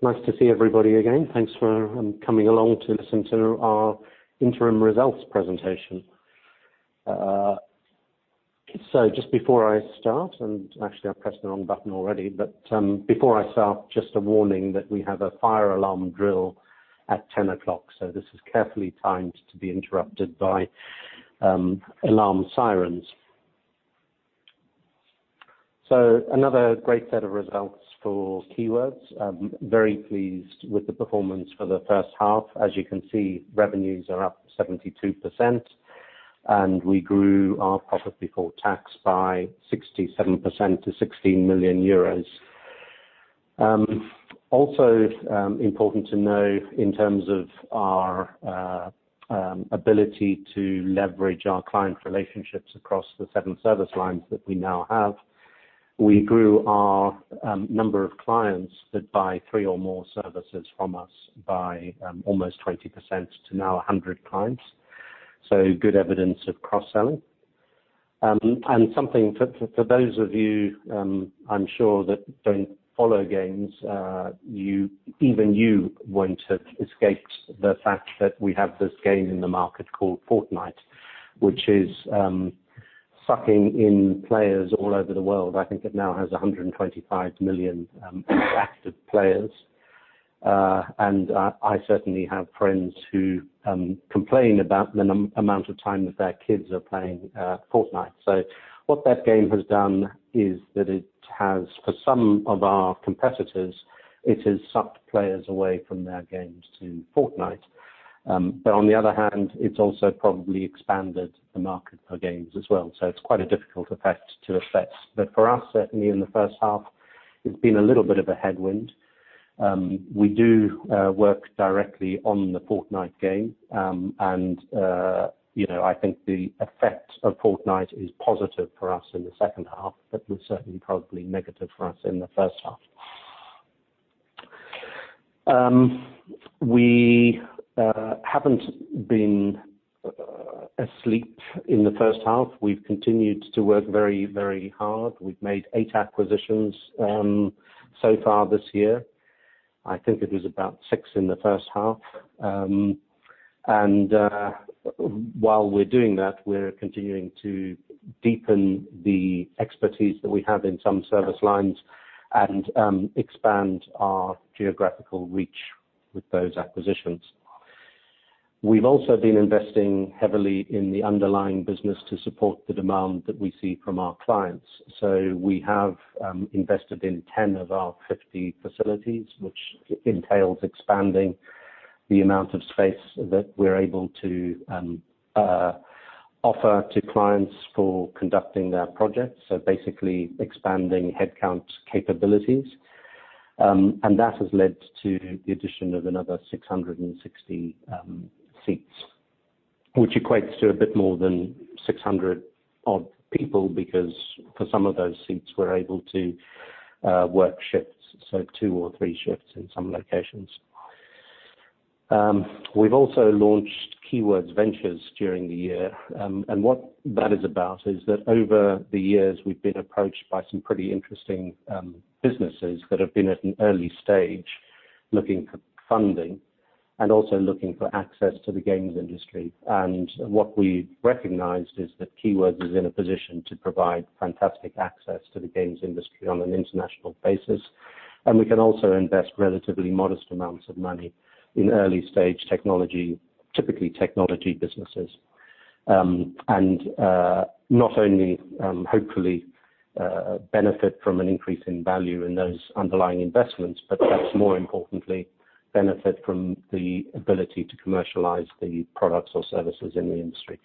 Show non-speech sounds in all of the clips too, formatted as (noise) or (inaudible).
Nice to see everybody again. Thanks for coming along to listen to our interim results presentation. Just before I start, and actually I pressed the wrong button already, but before I start, just a warning that we have a fire alarm drill at 10:00 A.M., so this is carefully timed to be interrupted by alarm sirens. Another great set of results for Keywords. Very pleased with the performance for the first half. As you can see, revenues are up 72% and we grew our profit before tax by 67% to 16 million euros. Also important to know in terms of our ability to leverage our client relationships across the seven service lines that we now have, we grew our number of clients that buy three or more services from us by almost 20% to now 100 clients. Good evidence of cross-selling. Something for those of you, I'm sure that don't follow games, even you won't have escaped the fact that we have this game in the market called Fortnite, which is sucking in players all over the world. I think it now has 125 million active players. I certainly have friends who complain about the amount of time that their kids are playing Fortnite. What that game has done is that it has, for some of our competitors, it has sucked players away from their games to Fortnite. On the other hand, it's also probably expanded the market for games as well. It's quite a difficult effect to assess. For us, certainly in the first half, it's been a little bit of a headwind. We do work directly on the Fortnite game. I think the effect of Fortnite is positive for us in the second half, was certainly probably negative for us in the first half. We haven't been asleep in the first half. We've continued to work very hard. We've made 8 acquisitions so far this year. I think it was about 6 in the first half. While we're doing that, we're continuing to deepen the expertise that we have in some service lines and expand our geographical reach with those acquisitions. We've also been investing heavily in the underlying business to support the demand that we see from our clients. We have invested in 10 of our 50 facilities, which entails expanding the amount of space that we're able to offer to clients for conducting their projects. Basically expanding headcount capabilities. That has led to the addition of another 660 seats, which equates to a bit more than 600-odd people because for some of those seats, we're able to work shifts. Two or three shifts in some locations. We've also launched Keywords Ventures during the year. What that is about is that over the years, we've been approached by some pretty interesting businesses that have been at an early stage looking for funding and also looking for access to the games industry. What we recognized is that Keywords is in a position to provide fantastic access to the games industry on an international basis. We can also invest relatively modest amounts of money in early-stage technology, typically technology businesses. Not only hopefully benefit from an increase in value in those underlying investments, but perhaps more importantly, benefit from the ability to commercialize the products or services in the industry.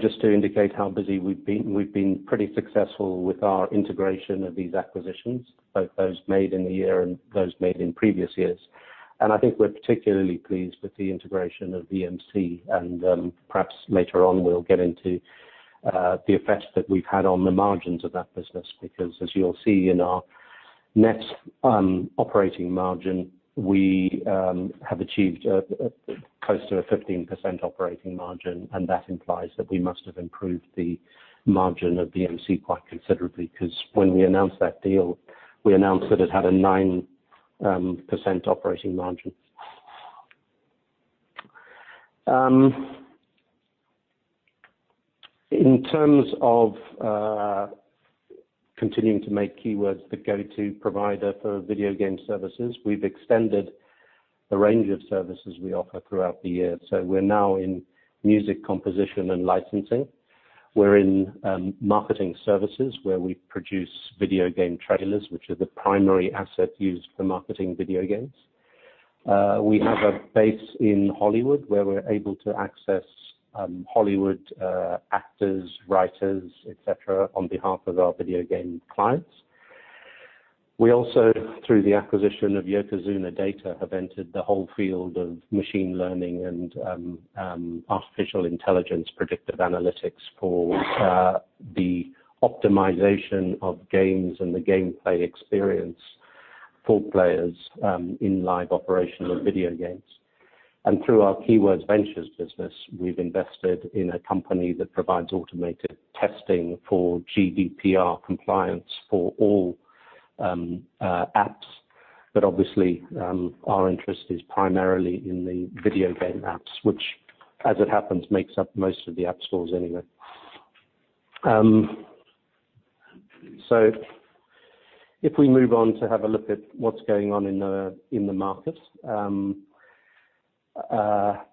Just to indicate how busy we've been, we've been pretty successful with our integration of these acquisitions, both those made in the year and those made in previous years. I think we're particularly pleased with the integration of VMC and perhaps later on we'll get into the effects that we've had on the margins of that business because as you'll see in our net operating margin, we have achieved close to a 15% operating margin, and that implies that we must have improved the margin of VMC quite considerably. Because when we announced that deal, we announced that it had a 9% operating margin. In terms of continuing to make Keywords the go-to provider for video game services, we've extended the range of services we offer throughout the year. We're now in music composition and licensing. We're in marketing services where we produce video game trailers, which are the primary asset used for marketing video games. We have a base in Hollywood where we're able to access Hollywood actors, writers, et cetera, on behalf of our video game clients. We also, through the acquisition of Yokozuna Data, have entered the whole field of machine learning and artificial intelligence predictive analytics for the optimization of games and the gameplay experience for players in live operations of video games. Through our Keywords Ventures business, we've invested in a company that provides automated testing for GDPR compliance for all apps. Obviously, our interest is primarily in the video game apps, which as it happens, makes up most of the app stores anyway. If we move on to have a look at what's going on in the market.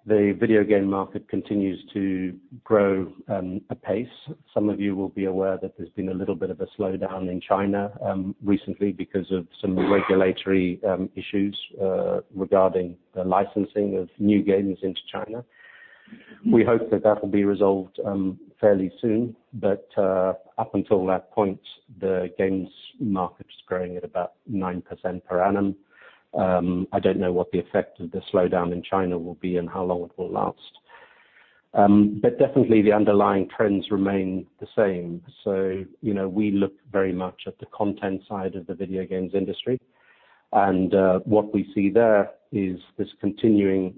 The video game market continues to grow apace. Some of you will be aware that there's been a little bit of a slowdown in China recently because of some regulatory issues regarding the licensing of new games into China. We hope that that will be resolved fairly soon, but up until that point, the games market is growing at about 9% per annum. I don't know what the effect of the slowdown in China will be and how long it will last. Definitely the underlying trends remain the same. We look very much at the content side of the video games industry. What we see there is this continuing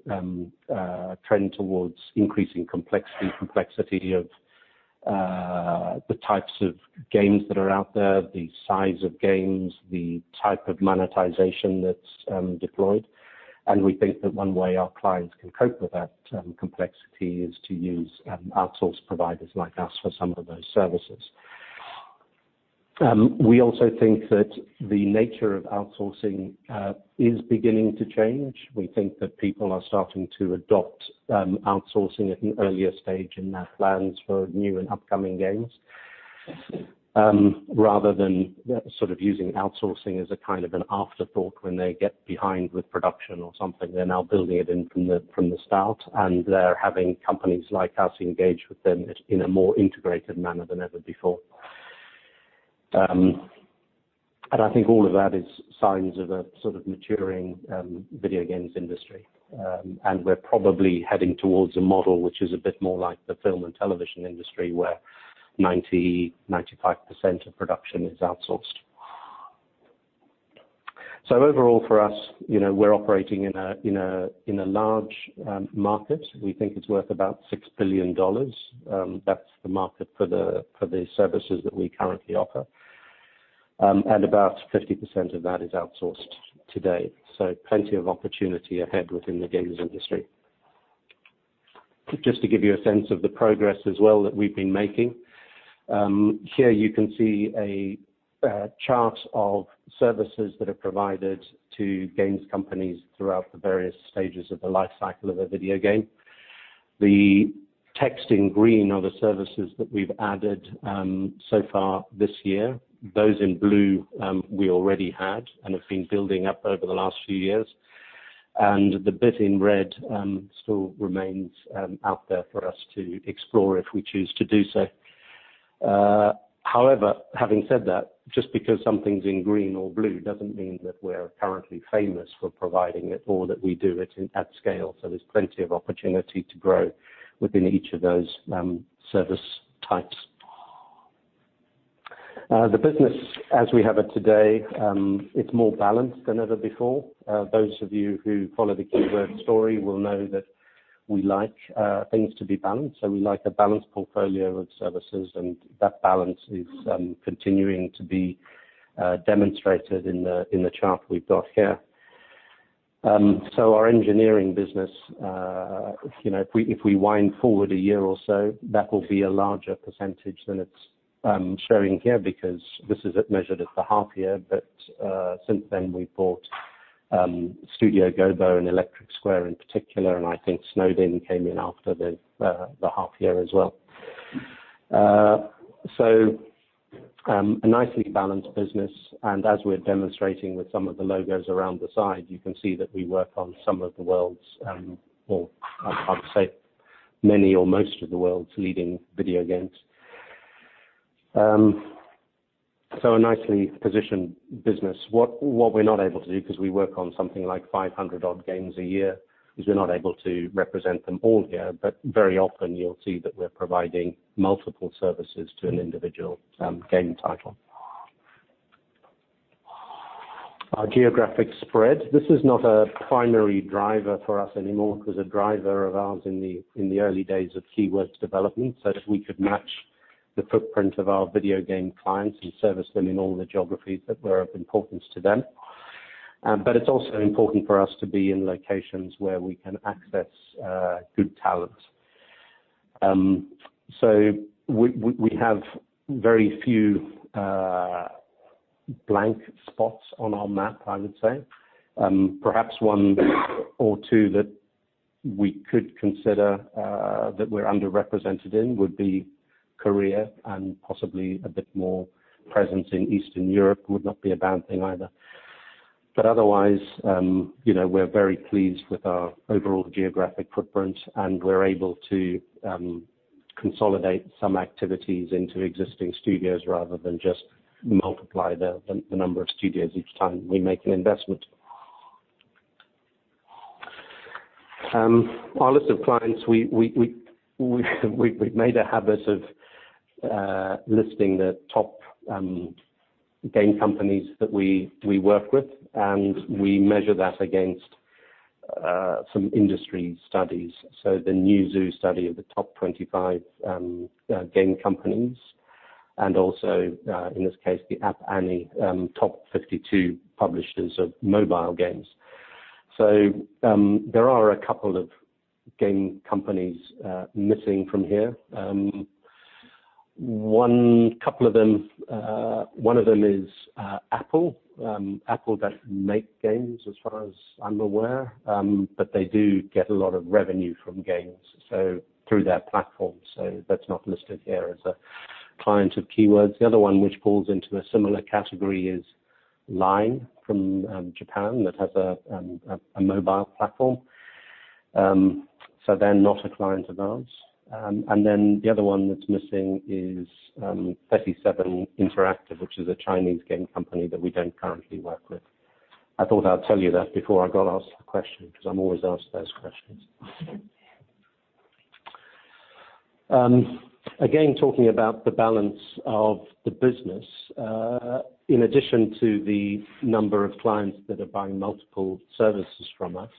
trend towards increasing complexity of the types of games that are out there, the size of games, the type of monetization that's deployed. We think that one way our clients can cope with that complexity is to use outsource providers like us for some of those services. We also think that the nature of outsourcing is beginning to change. We think that people are starting to adopt outsourcing at an earlier stage in their plans for new and upcoming games. Rather than using outsourcing as a kind of an afterthought when they get behind with production or something, they're now building it in from the start, and they're having companies like us engage with them in a more integrated manner than ever before. I think all of that is signs of a maturing video games industry. We're probably heading towards a model which is a bit more like the film and television industry, where 90%-95% of production is outsourced. Overall for us, we're operating in a large market. We think it's worth about EUR 6 billion. That's the market for the services that we currently offer. About 50% of that is outsourced today. Plenty of opportunity ahead within the games industry. Just to give you a sense of the progress as well that we've been making. Here you can see a chart of services that are provided to games companies throughout the various stages of the life cycle of a video game. The text in green are the services that we've added so far this year. Those in blue we already had and have been building up over the last few years. The bit in red still remains out there for us to explore if we choose to do so. However, having said that, just because something's in green or blue doesn't mean that we're currently famous for providing it or that we do it at scale. There's plenty of opportunity to grow within each of those service types. The business as we have it today it's more balanced than ever before. Those of you who follow the Keywords story will know that we like things to be balanced. We like a balanced portfolio of services, and that balance is continuing to be demonstrated in the chart we've got here. Our engineering business if we wind forward a year or so, that will be a larger percentage than it's showing here because this is measured at the half year. Since then, we bought Studio Gobo and Electric Square in particular, and I think Snowed In came in after the half year as well. A nicely balanced business. As we're demonstrating with some of the logos around the side, you can see that we work on some of the world's or I'd say many or most of the world's leading video games. A nicely positioned business. What we're not able to do, because we work on something like 500 odd games a year, is we're not able to represent them all here. Very often you'll see that we're providing multiple services to an individual game title. Our geographic spread, this is not a primary driver for us anymore. It was a driver of ours in the early days of Keywords development, so that we could match the footprint of our video game clients and service them in all the geographies that were of importance to them. It's also important for us to be in locations where we can access good talent. We have very few blank spots on our map, I would say. Perhaps one or two that we could consider that we're underrepresented in would be Korea and possibly a bit more presence in Eastern Europe would not be a bad thing either. Otherwise we're very pleased with our overall geographic footprint, and we're able to consolidate some activities into existing studios rather than just multiply the number of studios each time we make an investment. Our list of clients, we've made a habit of listing the top game companies that we work with, and we measure that against some industry studies. The Newzoo study of the top 25 game companies, and also, in this case, the App Annie top 52 publishers of mobile games. There are a couple of game companies missing from here. One of them is Apple. Apple don't make games, as far as I'm aware, but they do get a lot of revenue from games through their platform, so that's not listed here as a client of Keywords. The other one which falls into a similar category is Line from Japan, that has a mobile platform. They're not a client of ours. The other one that's missing is 37 Interactive, which is a Chinese game company that we don't currently work with. I thought I'd tell you that before I got asked the question, because I'm always asked those questions. Again, talking about the balance of the business, in addition to the number of clients that are buying multiple services from us,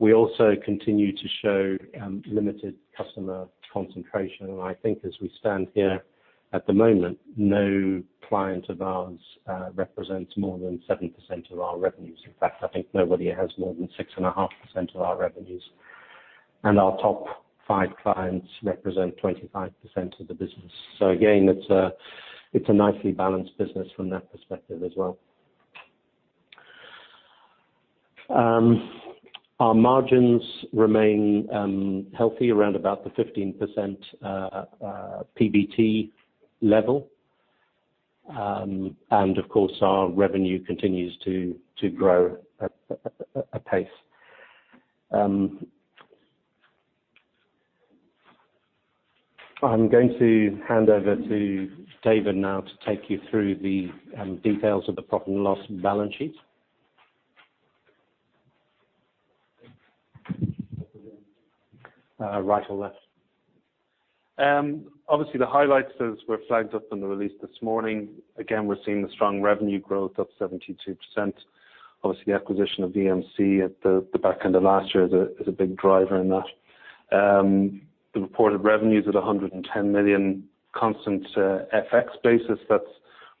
we also continue to show limited customer concentration. I think as we stand here at the moment, no client of ours represents more than 70% of our revenues. In fact, I think nobody has more than 6.5% of our revenues, and our top five clients represent 25% of the business. Again, it's a nicely balanced business from that perspective as well. Our margins remain healthy around about the 15% PBT level. Of course, our revenue continues to grow at a pace. I'm going to hand over to David now to take you through the details of the profit and loss and balance sheet. Right or left. Obviously the highlights as were flagged up in the release this morning. Again, we're seeing the strong revenue growth up 72%. Obviously, the acquisition of VMC at the back end of last year is a big driver in that. The reported revenues at 110 million constant FX basis, that's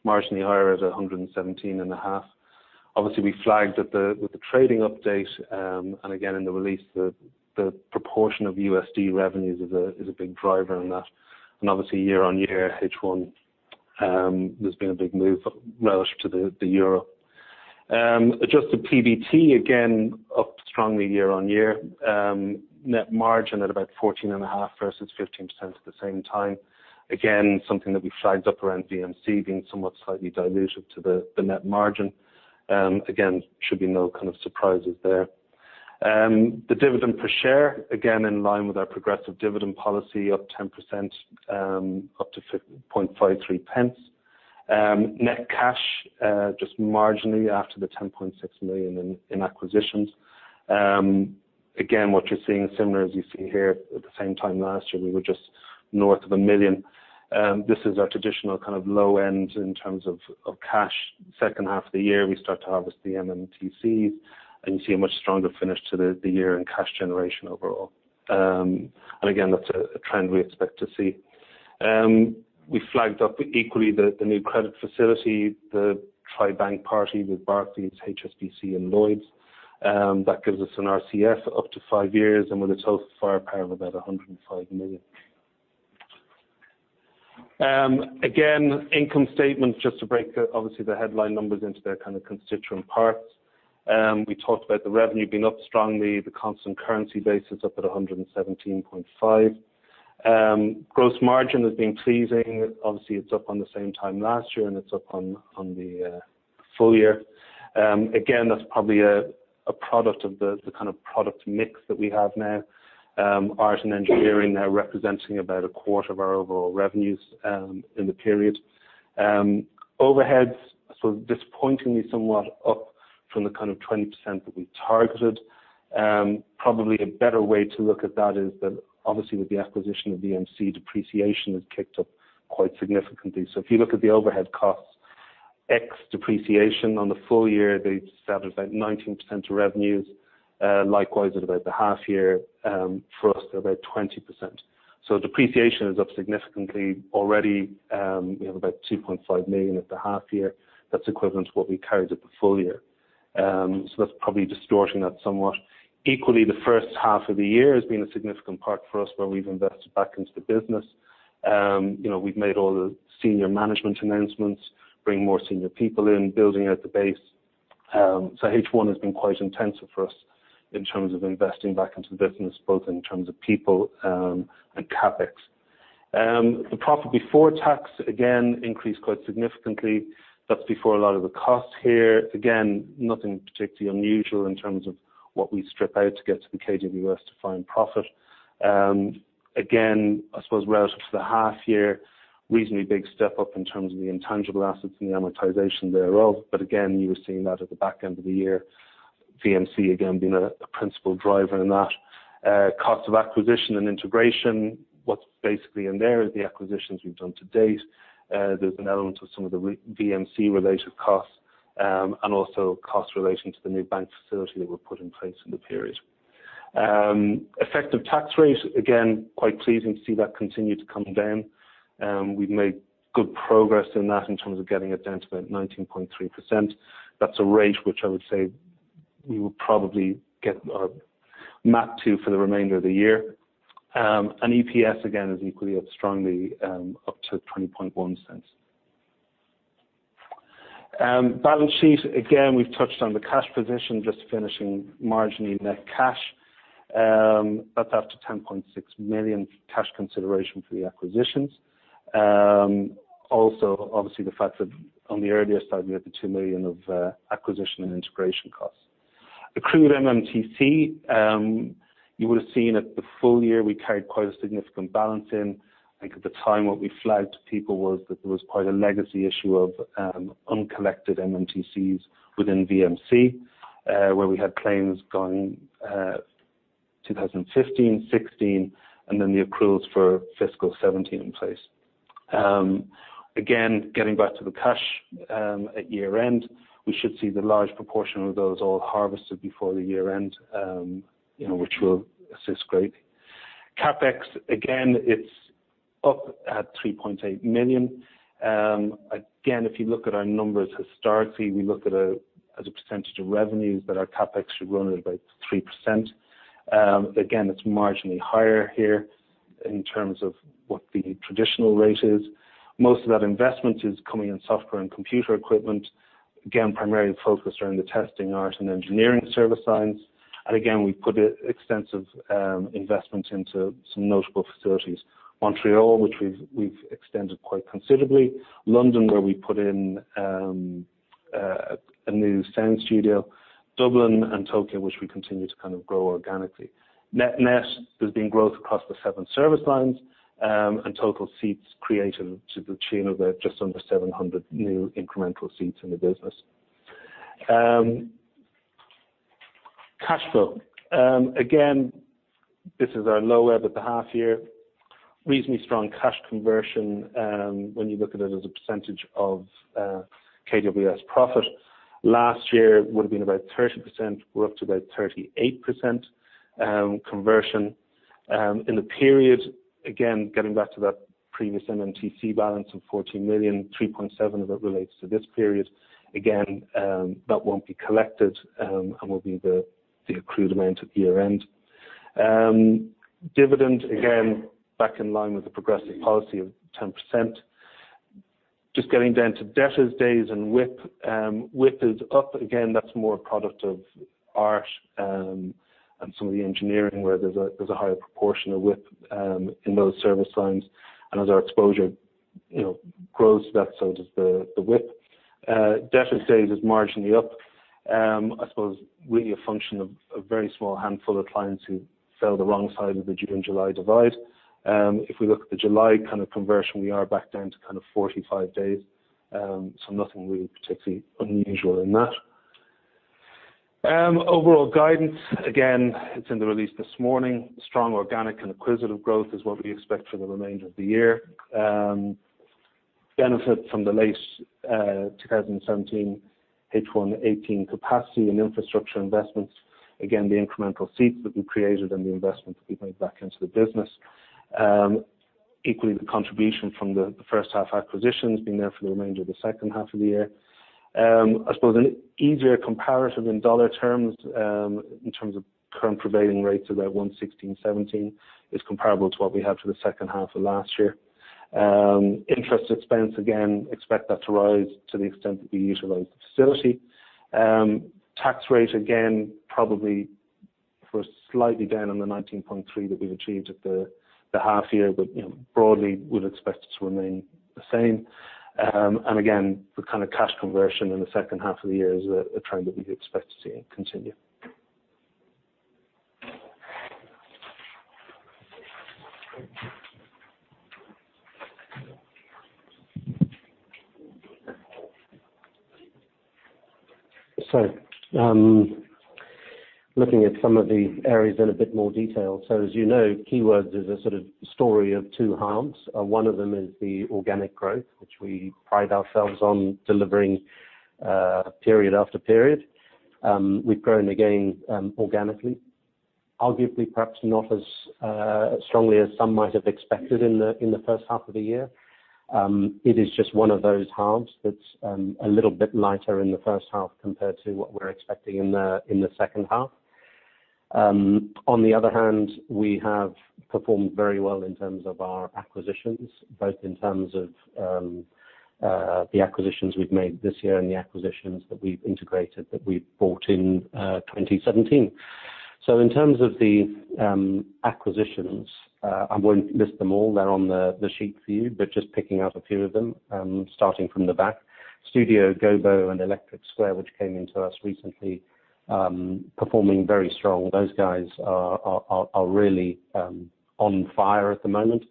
marginally higher at 117.5. Obviously, we flagged with the trading update, and again in the release that the proportion of USD revenues is a big driver in that. Obviously year on year, H1, there's been a big move relative to the euro. Adjusted PBT, again, up strongly year on year. Net margin at about 14.5% versus 15% at the same time. Again, something that we flagged up around VMC being somewhat slightly dilutive to the net margin. Again, should be no kind of surprises there. The dividend per share, again in line with our progressive dividend policy, up 10%, up to 0.0553. Net cash just marginally after the 10.6 million in acquisitions. Again, what you're seeing is similar as you see here at the same time last year, we were just north of 1 million. This is our traditional kind of low end in terms of cash. Second half of the year, we start to harvest the MMTC, and you see a much stronger finish to the year in cash generation overall. Again, that's a trend we expect to see. We flagged up equally the new credit facility, the tri-bank party with Barclays, HSBC, and Lloyds. That gives us an RCF up to five years and with a total firepower of about 105 million. Again, income statement, just to break obviously the headline numbers into their kind of constituent parts. We talked about the revenue being up strongly, the constant currency basis up at 117.5 million. Gross margin has been pleasing. Obviously, it's up on the same time last year, and it's up on the full year. Again, that's probably a product of the kind of product mix that we have now. Art and engineering now representing about a quarter of our overall revenues in the period. Overheads, disappointingly somewhat up from the kind of 20% that we targeted. Probably a better way to look at that is that obviously with the acquisition of VMC, depreciation has kicked up quite significantly. If you look at the overhead costs, X depreciation on the full year, they sat at about 19% of revenues. Likewise at about the half year, for us they're about 20%. Depreciation is up significantly already. We have about 2.5 million at the half year. That's equivalent to what we carried at the full year. That's probably distorting that somewhat. Equally, the first half of the year has been a significant part for us where we've invested back into the business. We've made all the senior management announcements, bring more senior people in, building out the base. H1 has been quite intensive for us in terms of investing back into the business, both in terms of people and CapEx. The profit before tax, again, increased quite significantly. That's before a lot of the costs here. Again, nothing particularly unusual in terms of what we strip out to get to the KWS to find profit. Again, I suppose relative to the half year, reasonably big step up in terms of the intangible assets and the amortization thereof. Again, you were seeing that at the back end of the year, VMC again being a principal driver in that. Cost of acquisition and integration, what's basically in there is the acquisitions we've done to date. There's an element of some of the VMC related costs, and also costs relating to the new bank facility that were put in place in the period. Effective tax rate, again, quite pleasing to see that continue to come down. We've made good progress in that in terms of getting it down to about 19.3%. That's a rate which I would say we will probably get mapped to for the remainder of the year. EPS again is equally up strongly, up to 0.201. Balance sheet, again, we've touched on the cash position, just finishing marginally net cash. That's up to 10.6 million cash consideration for the acquisitions. Also, obviously the fact that on the earlier slide we had the 2 million of acquisition and integration costs. Accrued MMTC, you would have seen at the full year we carried quite a significant balance in. I think at the time what we flagged to people was that there was quite a legacy issue of uncollected MMTCs within VMC, where we had claims going 2015, 2016, and then the accruals for fiscal 2017 in place. Again, getting back to the cash at year-end, we should see the large proportion of those all harvested before the year-end, which will assist greatly. CapEx, again, it's up at 3.8 million. Again, if you look at our numbers historically, we look at a percentage of revenues that our CapEx should run at about 3%. Again, it's marginally higher here in terms of what the traditional rate is. Most of that investment is coming in software and computer equipment, again, primarily focused around the testing art and engineering service lines. Again, we've put extensive investments into some notable facilities. Montreal, which we've extended quite considerably, London where we put in a new sound studio, Dublin and Tokyo which we continue to grow organically. Net net, there's been growth across the 7 service lines, and total seats created to the tune of just under 700 new incremental seats in the business. Cash flow. Again, this is our low ebb at the half year. Reasonably strong cash conversion, when you look at it as a percentage of KWS profit. Last year it would have been about 30%, we're up to about 38% conversion. In the period, again, getting back to that previous MMTC balance of 14 million, 3.7 of it relates to this period. Again, that won't be collected, and will be the accrued amount at year-end. Dividend, again, back in line with the progressive policy of 10%. Just getting down to debtors days and WIP. WIP is up again, that's more a product of art and some of the engineering where there's a higher proportion of WIP in those service lines. As our exposure grows to that, so does the WIP. Debtors days is marginally up. I suppose really a function of a very small handful of clients who fell the wrong side of the June/July divide. If we look at the July conversion, we are back down to 45 days, so nothing really particularly unusual in that. Overall guidance, again, it's in the release this morning. Strong organic and acquisitive growth is what we expect for the remainder of the year. Benefit from the late 2017, H1 2018 capacity and infrastructure investments, again, the incremental seats that we created and the investments we've made back into the business. Equally, the contribution from the first half acquisitions being there for the remainder of the second half of the year. I suppose an easier comparative in dollar terms, in terms of current prevailing rates about 1.16, 1.17 is comparable to what we had for the second half of last year. Interest expense, again, expect that to rise to the extent that we utilize the facility. Tax rate, again, probably for slightly down on the 19.3% that we've achieved at the half year, but broadly we'd expect it to remain the same. Again, the cash conversion in the second half of the year is a trend that we'd expect to see continue. Looking at some of the areas in a bit more detail. As you know, Keywords is a sort of story of two halves. One of them is the organic growth, which we pride ourselves on delivering period after period. We've grown again organically. Arguably perhaps not as strongly as some might have expected in the first half of the year. It is just one of those halves that's a little bit lighter in the first half compared to what we're expecting in the second half. On the other hand, we have performed very well in terms of our acquisitions, both in terms of the acquisitions we've made this year and the acquisitions that we've integrated that we bought in 2017. In terms of the acquisitions, I won't list them all, they're on the sheet for you, but just picking out a few of them, starting from the back Studio Gobo and Electric Square, which came into us recently, performing very strong. Those guys are really on fire at the moment,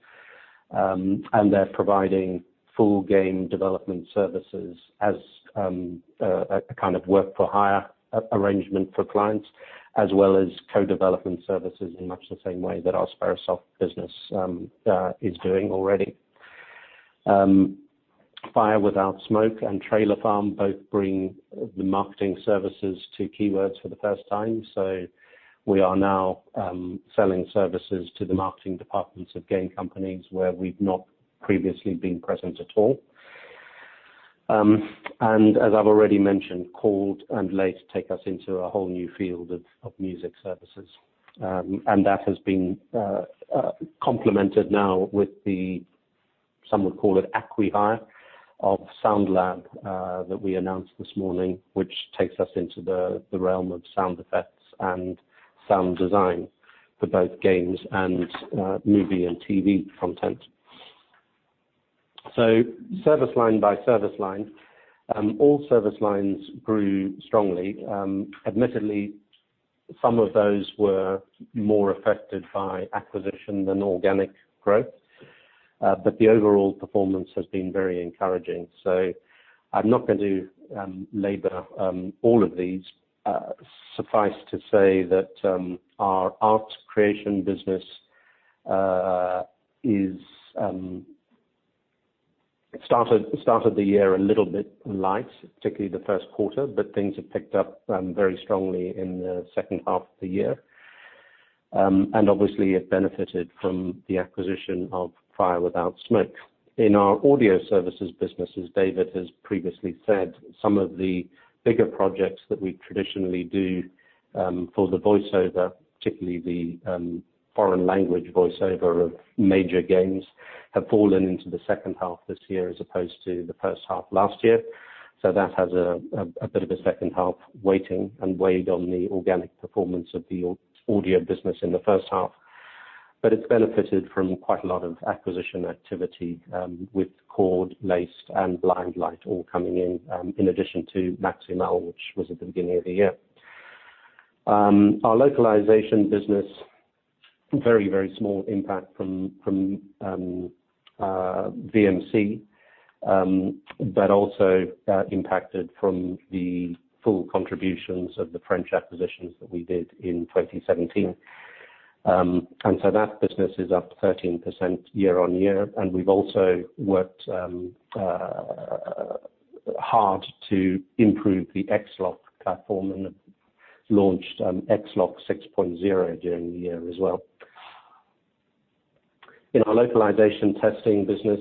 and they're providing full game development services as a kind of work-for-hire arrangement for clients, as well as co-development services in much the same way that our Sperasoft business is doing already. Fire Without Smoke and TrailerFarm both bring the marketing services to Keywords for the first time. We are now selling services to the marketing departments of game companies where we've not previously been present at all. As I've already mentioned, Cord and Lace take us into a whole new field of music services. That has been complemented now with the, some would call it acqui-hire of Sound Lab that we announced this morning, which takes us into the realm of sound effects and sound design for both games and movie and TV content. Service line by service line, all service lines grew strongly. Admittedly, some of those were more affected by acquisition than organic growth. The overall performance has been very encouraging. I'm not going to labor all of these. Suffice to say that our art creation business started the year a little bit light, particularly the first quarter, but things have picked up very strongly in the second half of the year. Obviously it benefited from the acquisition of Fire Without Smoke. In our audio services businesses, David has previously said some of the bigger projects that we traditionally do for the voiceover, particularly the foreign language voiceover of major games, have fallen into the second half this year as opposed to the first half last year. That has a bit of a second half weighting and weighed on the organic performance of the audio business in the first half. It's benefited from quite a lot of acquisition activity with Cord, Lace and Blindlight all coming in addition to Maximal, which was at the beginning of the year. Our localization business, very small impact from VMC, but also impacted from the full contributions of the French acquisitions that we did in 2017. That business is up 13% year-over-year, and we've also worked hard to improve the XLOC platform and have launched XLOC 6.0 during the year as well. In our localization testing business,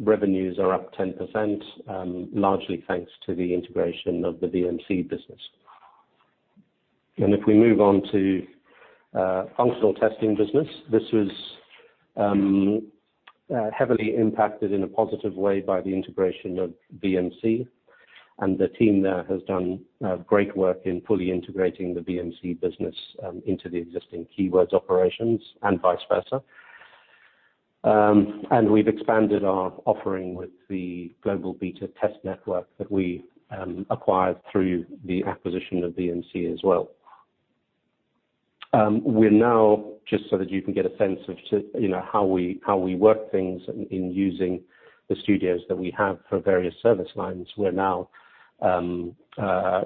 revenues are up 10%, largely thanks to the integration of the VMC business. If we move on to functional testing business, this was heavily impacted in a positive way by the integration of VMC. The team there has done great work in fully integrating the VMC business into the existing Keywords operations and vice versa. We've expanded our offering with the global beta test network that we acquired through the acquisition of VMC as well. We're now, just so that you can get a sense of how we work things in using the studios that we have for various service lines, we're now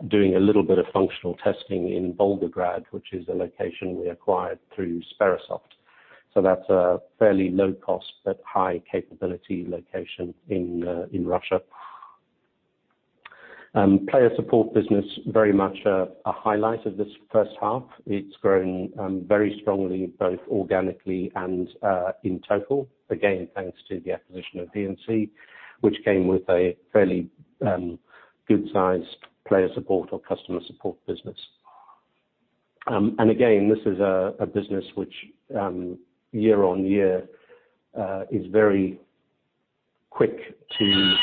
doing a little bit of functional testing in Volgograd, which is a location we acquired through Sperasoft. That's a fairly low cost but high capability location in Russia. Player support business, very much a highlight of this first half. It's grown very strongly, both organically and in total. Again, thanks to the acquisition of VMC, which came with a fairly good-sized player support or customer support business. Again, this is a business which year-over-year is very quick to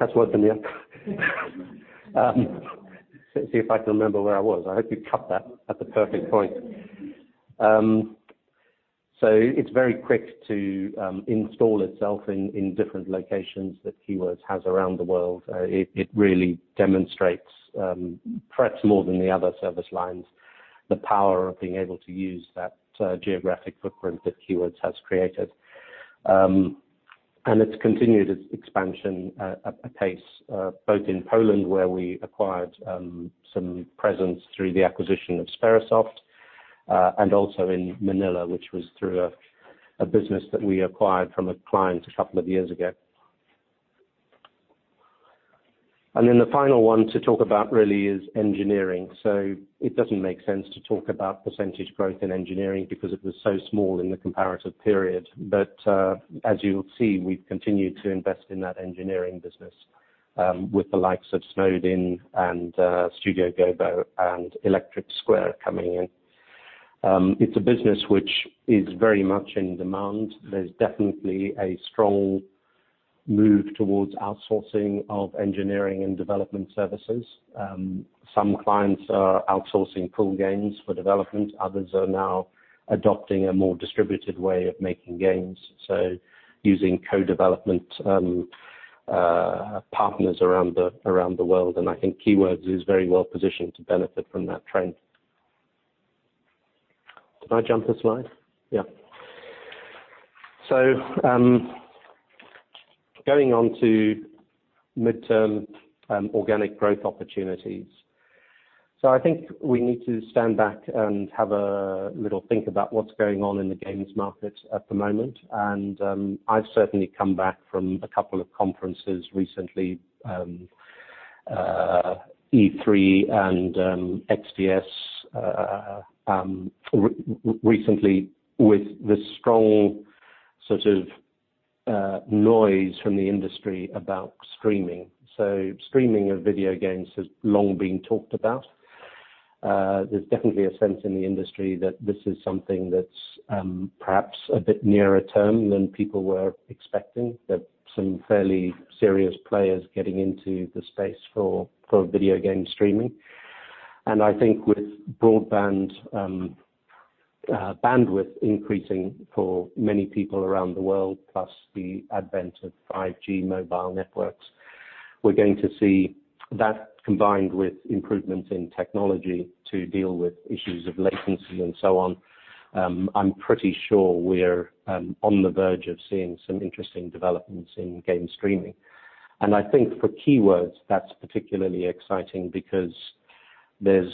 That's worked, Amelia. See if I can remember where I was. I hope you cut that at the perfect point. It's very quick to install itself in different locations that Keywords has around the world. It really demonstrates perhaps more than the other service lines, the power of being able to use that geographic footprint that Keywords has created. It's continued its expansion at a pace both in Poland where we acquired some presence through the acquisition of Sperasoft, and also in Manila, which was through a business that we acquired from a client a couple of years ago. The final one to talk about really is engineering. It doesn't make sense to talk about percentage growth in engineering because it was so small in the comparative period. But as you'll see, we've continued to invest in that engineering business with the likes of Snowed In and Studio Gobo and Electric Square coming in. It's a business which is very much in demand. There's definitely a strong move towards outsourcing of engineering and development services. Some clients are outsourcing full games for development. Others are now adopting a more distributed way of making games, using co-development partners around the world, and I think Keywords is very well positioned to benefit from that trend. Did I jump a slide? Yeah. Going on to midterm organic growth opportunities. I think we need to stand back and have a little think about what's going on in the games market at the moment. I've certainly come back from a couple of conferences recently, E3 and XDS, recently with this strong sort of noise from the industry about streaming. Streaming of video games has long been talked about. There's definitely a sense in the industry that this is something that's perhaps a bit nearer term than people were expecting, that some fairly serious players getting into the space for video game streaming. I think with broadband bandwidth increasing for many people around the world, plus the advent of 5G mobile networks, we're going to see that combined with improvements in technology to deal with issues of latency and so on. I'm pretty sure we're on the verge of seeing some interesting developments in game streaming. I think for Keywords, that's particularly exciting because there's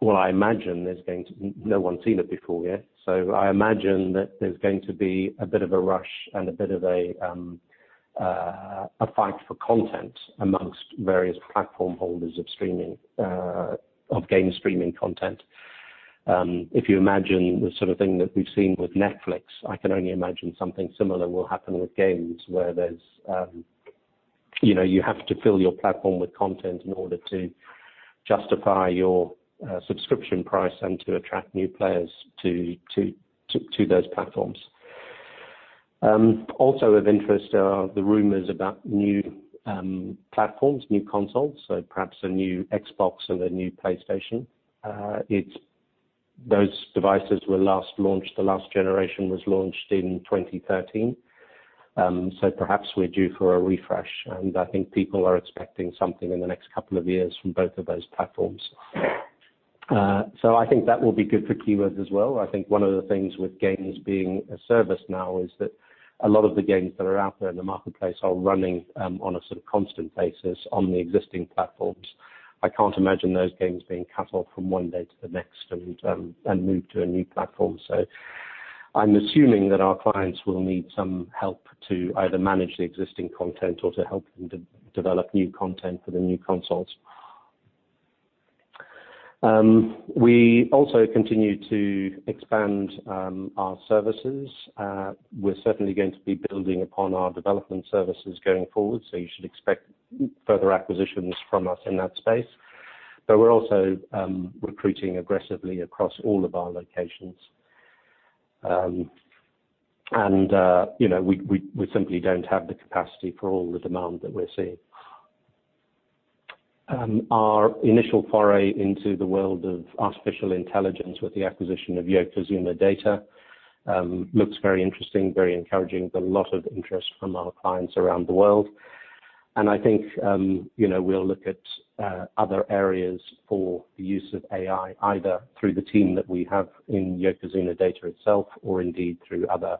Well, I imagine there's No one's seen it before yet. I imagine that there's going to be a bit of a rush and a bit of a fight for content amongst various platform holders of game streaming content. If you imagine the sort of thing that we've seen with Netflix, I can only imagine something similar will happen with games, where you have to fill your platform with content in order to justify your subscription price and to attract new players to those platforms. Also of interest are the rumors about new platforms, new consoles, so perhaps a new Xbox and a new PlayStation. Those devices were last launched, the last generation was launched in 2013. Perhaps we're due for a refresh, and I think people are expecting something in the next couple of years from both of those platforms. I think that will be good for Keywords as well. I think one of the things with games being a service now is that a lot of the games that are out there in the marketplace are running on a sort of constant basis on the existing platforms. I can't imagine those games being cut off from one day to the next and moved to a new platform. I'm assuming that our clients will need some help to either manage the existing content or to help them develop new content for the new consoles. We also continue to expand our services. We're certainly going to be building upon our development services going forward, so you should expect further acquisitions from us in that space. We're also recruiting aggressively across all of our locations. We simply don't have the capacity for all the demand that we're seeing. Our initial foray into the world of artificial intelligence with the acquisition of Yokozuna Data looks very interesting, very encouraging. There's a lot of interest from our clients around the world. I think we'll look at other areas for the use of AI, either through the team that we have in Yokozuna Data itself, or indeed through other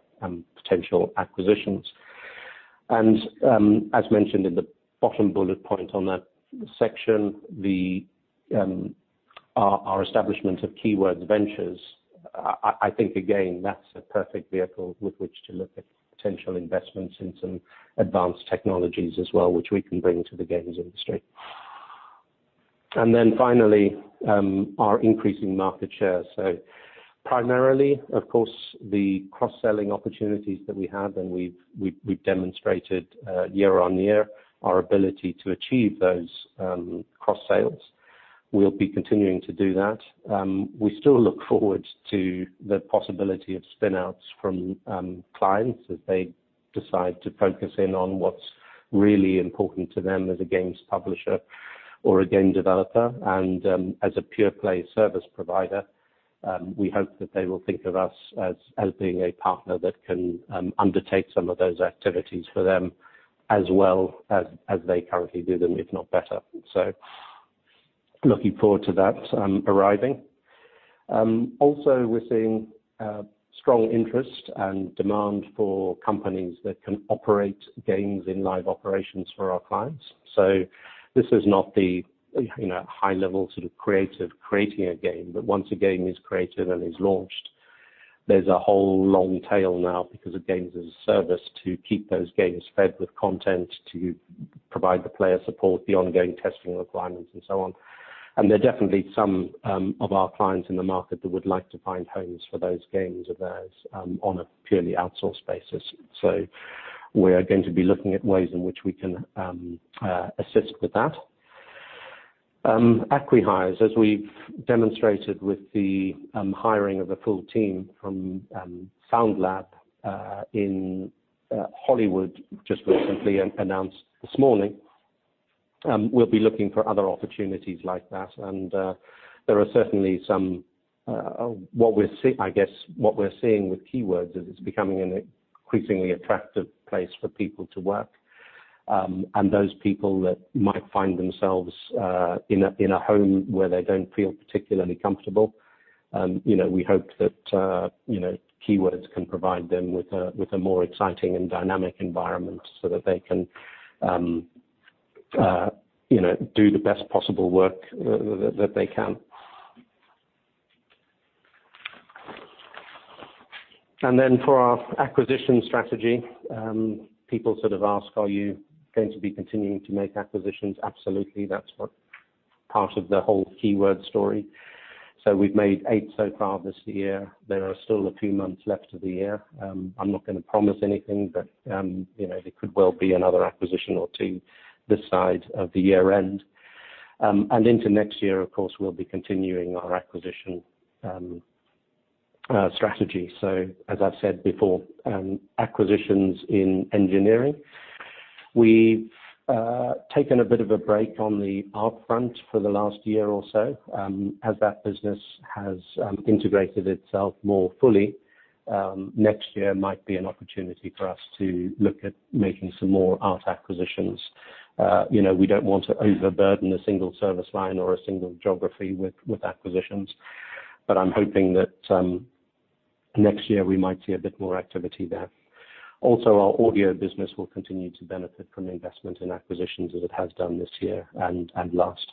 potential acquisitions. As mentioned in the bottom bullet point on that section, our establishment of Keywords Ventures, I think again, that's a perfect vehicle with which to look at potential investments in some advanced technologies as well, which we can bring to the games industry. Finally, our increasing market share. Primarily, of course, the cross-selling opportunities that we have, and we've demonstrated year on year our ability to achieve those cross-sales. We'll be continuing to do that. We still look forward to the possibility of spin-outs from clients as they decide to focus in on what's really important to them as a games publisher or a game developer. As a pure play service provider, we hope that they will think of us as being a partner that can undertake some of those activities for them as well as they currently do them, if not better. Looking forward to that arriving. Also we're seeing strong interest and demand for companies that can operate games in live operations for our clients. This is not the high level sort of creative creating a game, but once a game is created and is launched, there's a whole long tail now because of games as a service to keep those games fed with content, to provide the player support, the ongoing testing requirements and so on. There are definitely some of our clients in the market that would like to find homes for those games of theirs on a purely outsourced basis. We're going to be looking at ways in which we can assist with that. Acqui-hires, as we've demonstrated with the hiring of a full team from Sound Lab in Hollywood, just recently announced this morning. We'll be looking for other opportunities like that. There are certainly, I guess, what we're seeing with Keywords is it's becoming an increasingly attractive place for people to work. And those people that might find themselves in a home where they don't feel particularly comfortable, we hope that Keywords can provide them with a more exciting and dynamic environment so that they can do the best possible work that they can. For our acquisition strategy, people sort of ask, "Are you going to be continuing to make acquisitions?" Absolutely. That's part of the whole Keywords story. We've made eight so far this year. There are still a few months left of the year. I'm not going to promise anything, but there could well be another acquisition or two this side of the year-end. Into next year, of course, we'll be continuing our acquisition strategy. As I've said before, acquisitions in engineering. We've taken a bit of a break on the art front for the last year or so. As that business has integrated itself more fully, next year might be an opportunity for us to look at making some more art acquisitions. We don't want to overburden a single service line or a single geography with acquisitions, but I'm hoping that next year we might see a bit more activity there. Also, our audio business will continue to benefit from investment in acquisitions as it has done this year and last.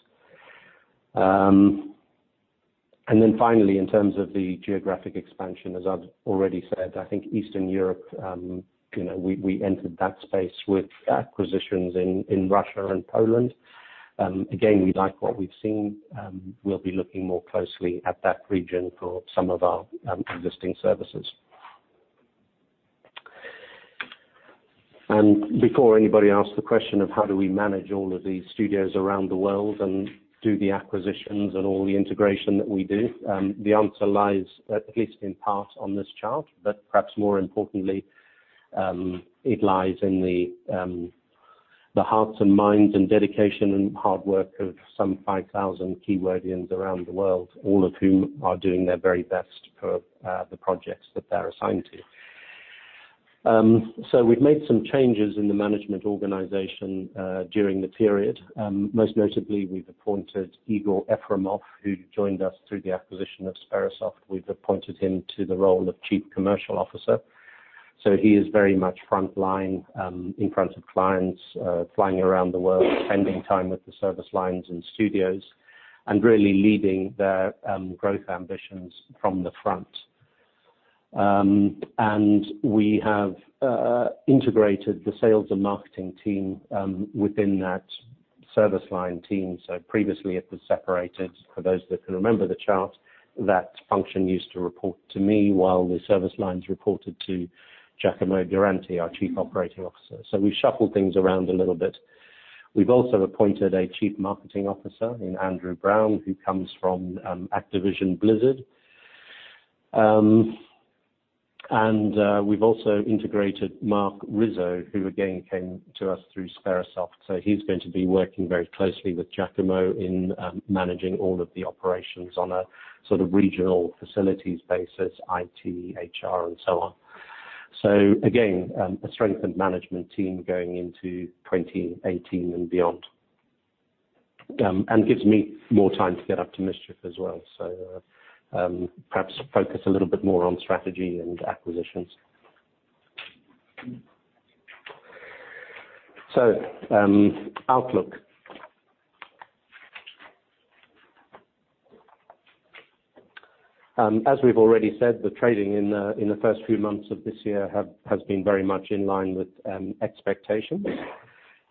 Finally, in terms of the geographic expansion, as I've already said, I think Eastern Europe, we entered that space with acquisitions in Russia and Poland. We like what we've seen. We'll be looking more closely at that region for some of our existing services. Before anybody asks the question of how do we manage all of these studios around the world and do the acquisitions and all the integration that we do, the answer lies at least in part on this chart, but perhaps more importantly, it lies in the hearts and minds and dedication and hard work of some 5,000 Keywordsians around the world, all of whom are doing their very best for the projects that they're assigned to. We've made some changes in the management organization during the period. Most notably, we've appointed Igor Efremov, who joined us through the acquisition of Sperasoft. We've appointed him to the role of Chief Commercial Officer. He is very much front line, in front of clients, flying around the world, spending time with the service lines and studios, and really leading their growth ambitions from the front. We have integrated the sales and marketing team within that service line team. Previously it was separated. For those that can remember the chart, that function used to report to me while the service lines reported to Giacomo Duranti, our Chief Operating Officer. We shuffled things around a little bit. We've also appointed a Chief Marketing Officer in Andrew Brown, who comes from Activision Blizzard. We've also integrated Mark Rizzo, who again, came to us through Sperasoft. He's going to be working very closely with Giacomo in managing all of the operations on a sort of regional facilities basis, IT, HR, and so on. Again, a strengthened management team going into 2018 and beyond. Gives me more time to get up to mischief as well. Perhaps focus a little bit more on strategy and acquisitions. Outlook. As we've already said, the trading in the first few months of this year has been very much in line with expectations.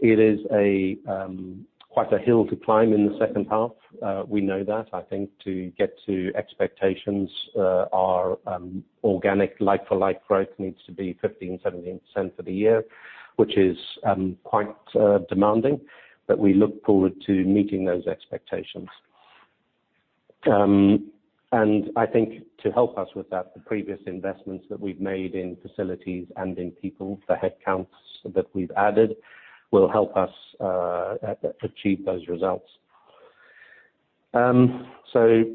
It is quite a hill to climb in the second half. We know that. I think to get to expectations, our organic like-for-like growth needs to be 15%-17% for the year, which is quite demanding, but we look forward to meeting those expectations. I think to help us with that, the previous investments that we've made in facilities and in people, the headcounts that we've added, will help us achieve those results.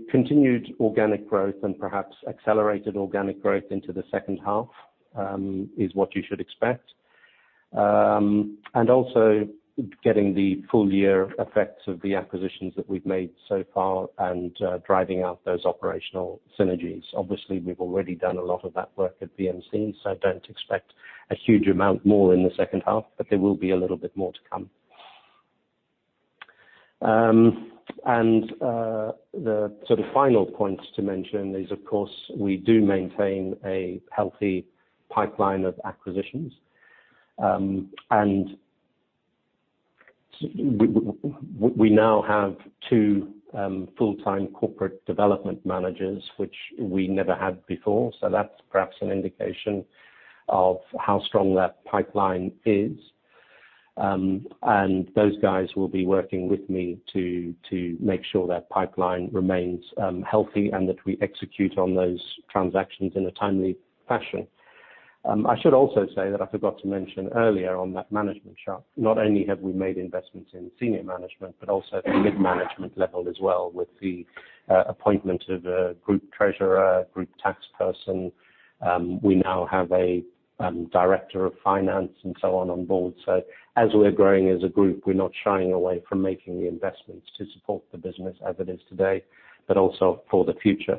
Continued organic growth and perhaps accelerated organic growth into the second half is what you should expect. Also getting the full year effects of the acquisitions that we've made so far and driving out those operational synergies. Obviously, we've already done a lot of that work at VMC, so don't expect a huge amount more in the second half, but there will be a little bit more to come. The sort of final point to mention is, of course, we do maintain a healthy pipeline of acquisitions. We now have two full-time corporate development managers, which we never had before. That's perhaps an indication of how strong that pipeline is. Those guys will be working with me to make sure that pipeline remains healthy and that we execute on those transactions in a timely fashion. I should also say that I forgot to mention earlier on that management chart, not only have we made investments in senior management, but also at the mid-management level as well with the appointment of a group treasurer, group tax person. We now have a director of finance and so on board. As we're growing as a group, we're not shying away from making the investments to support the business as it is today, also for the future.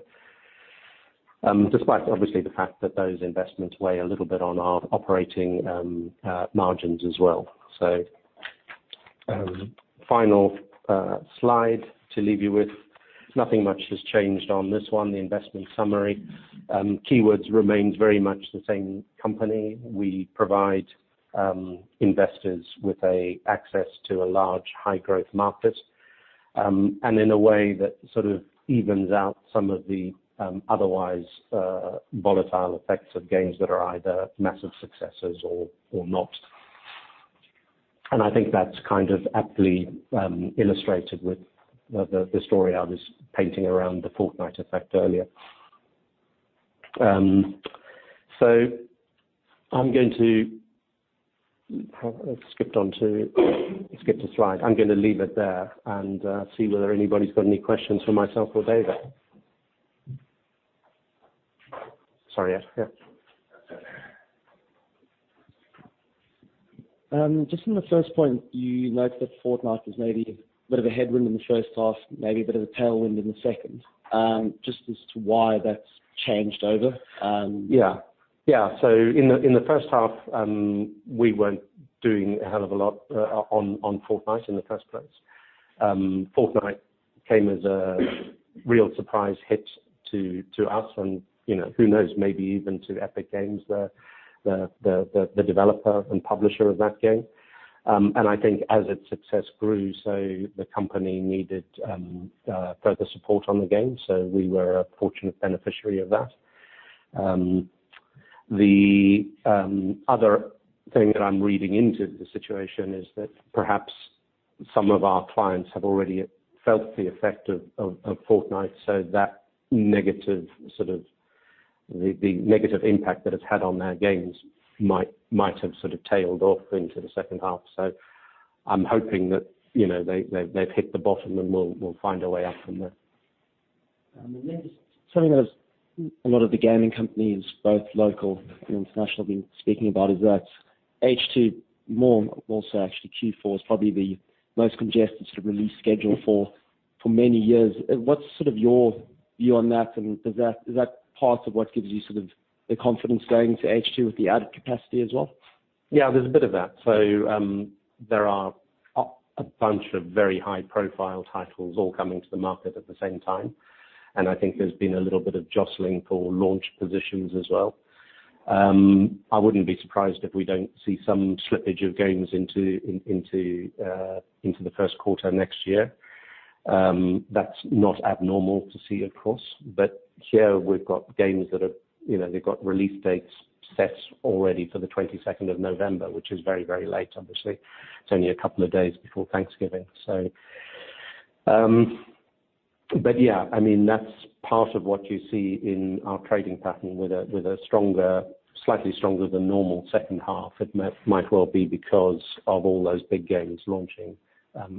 Despite obviously the fact that those investments weigh a little bit on our operating margins as well. Final slide to leave you with. Nothing much has changed on this one, the investment summary. Keywords remains very much the same company. We provide investors with access to a large, high-growth market, and in a way that sort of evens out some of the otherwise volatile effects of games that are either massive successes or not. I think that's aptly illustrated with the story I was painting around the Fortnite effect earlier. I've skipped a slide. I'm going to leave it there and see whether anybody's got any questions for myself or David. Sorry, yeah. Just on the first point, you note that Fortnite was maybe a bit of a headwind in the first half, maybe a bit of a tailwind in the second. Just as to why that's changed over? Yeah. In the first half, we weren't doing a hell of a lot on Fortnite in the first place. Fortnite came as a real surprise hit to us and who knows, maybe even to Epic Games, the developer and publisher of that game. I think as its success grew, so the company needed further support on the game. We were a fortunate beneficiary of that. The other thing that I'm reading into the situation is that perhaps some of our clients have already felt the effect of Fortnite, so the negative impact that it's had on their games might have sort of tailed off into the second half. I'm hoping that they've hit the bottom, and we'll find a way up from there. Something that a lot of the gaming companies, both local and international, have been speaking about is that H2, more so actually Q4, is probably the most congested release schedule for many years. What's your view on that, and is that part of what gives you the confidence going to H2 with the added capacity as well? Yeah, there's a bit of that. There are a bunch of very high-profile titles all coming to the market at the same time, and I think there's been a little bit of jostling for launch positions as well. I wouldn't be surprised if we don't see some slippage of games into the first quarter next year. That's not abnormal to see, of course, but here we've got games that have got release dates set already for the 22nd of November, which is very late, obviously. It's only a couple of days before Thanksgiving. That's part of what you see in our trading pattern with a slightly stronger than normal second half. It might well be because of all those big games launching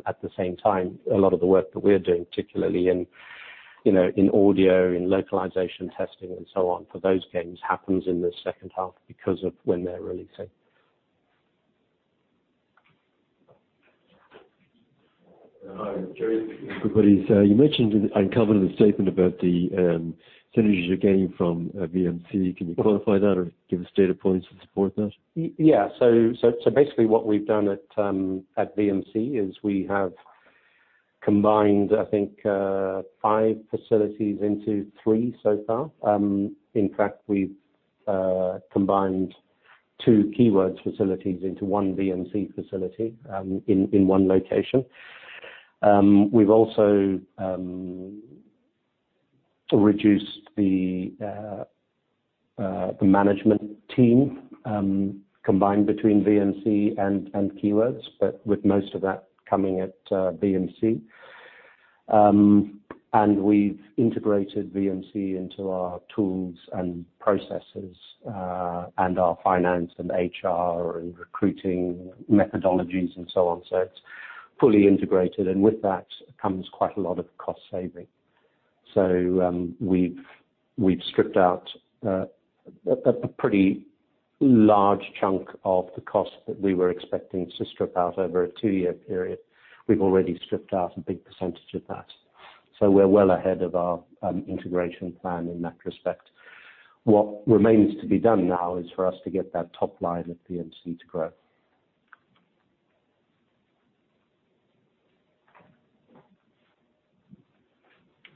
at the same time. A lot of the work that we're doing, particularly in audio, in localization testing and so on for those games, happens in the second half because of when they're releasing. Hi, Gerry. You mentioned and covered in the statement about the synergies you're gaining from VMC. Can you quantify that or give us data points to support that? Yeah. Basically what we've done at VMC is we have combined, I think, five facilities into three so far. In fact, we've combined two Keywords facilities into one VMC facility in one location. We've also reduced the management team combined between VMC and Keywords, but with most of that coming at VMC. We've integrated VMC into our tools and processes and our finance and HR and recruiting methodologies and so on. It's fully integrated, and with that comes quite a lot of cost saving. We've stripped out a pretty large chunk of the cost that we were expecting to strip out over a two-year period. We've already stripped out a big percentage of that. We're well ahead of our integration plan in that respect. What remains to be done now is for us to get that top line at VMC to grow.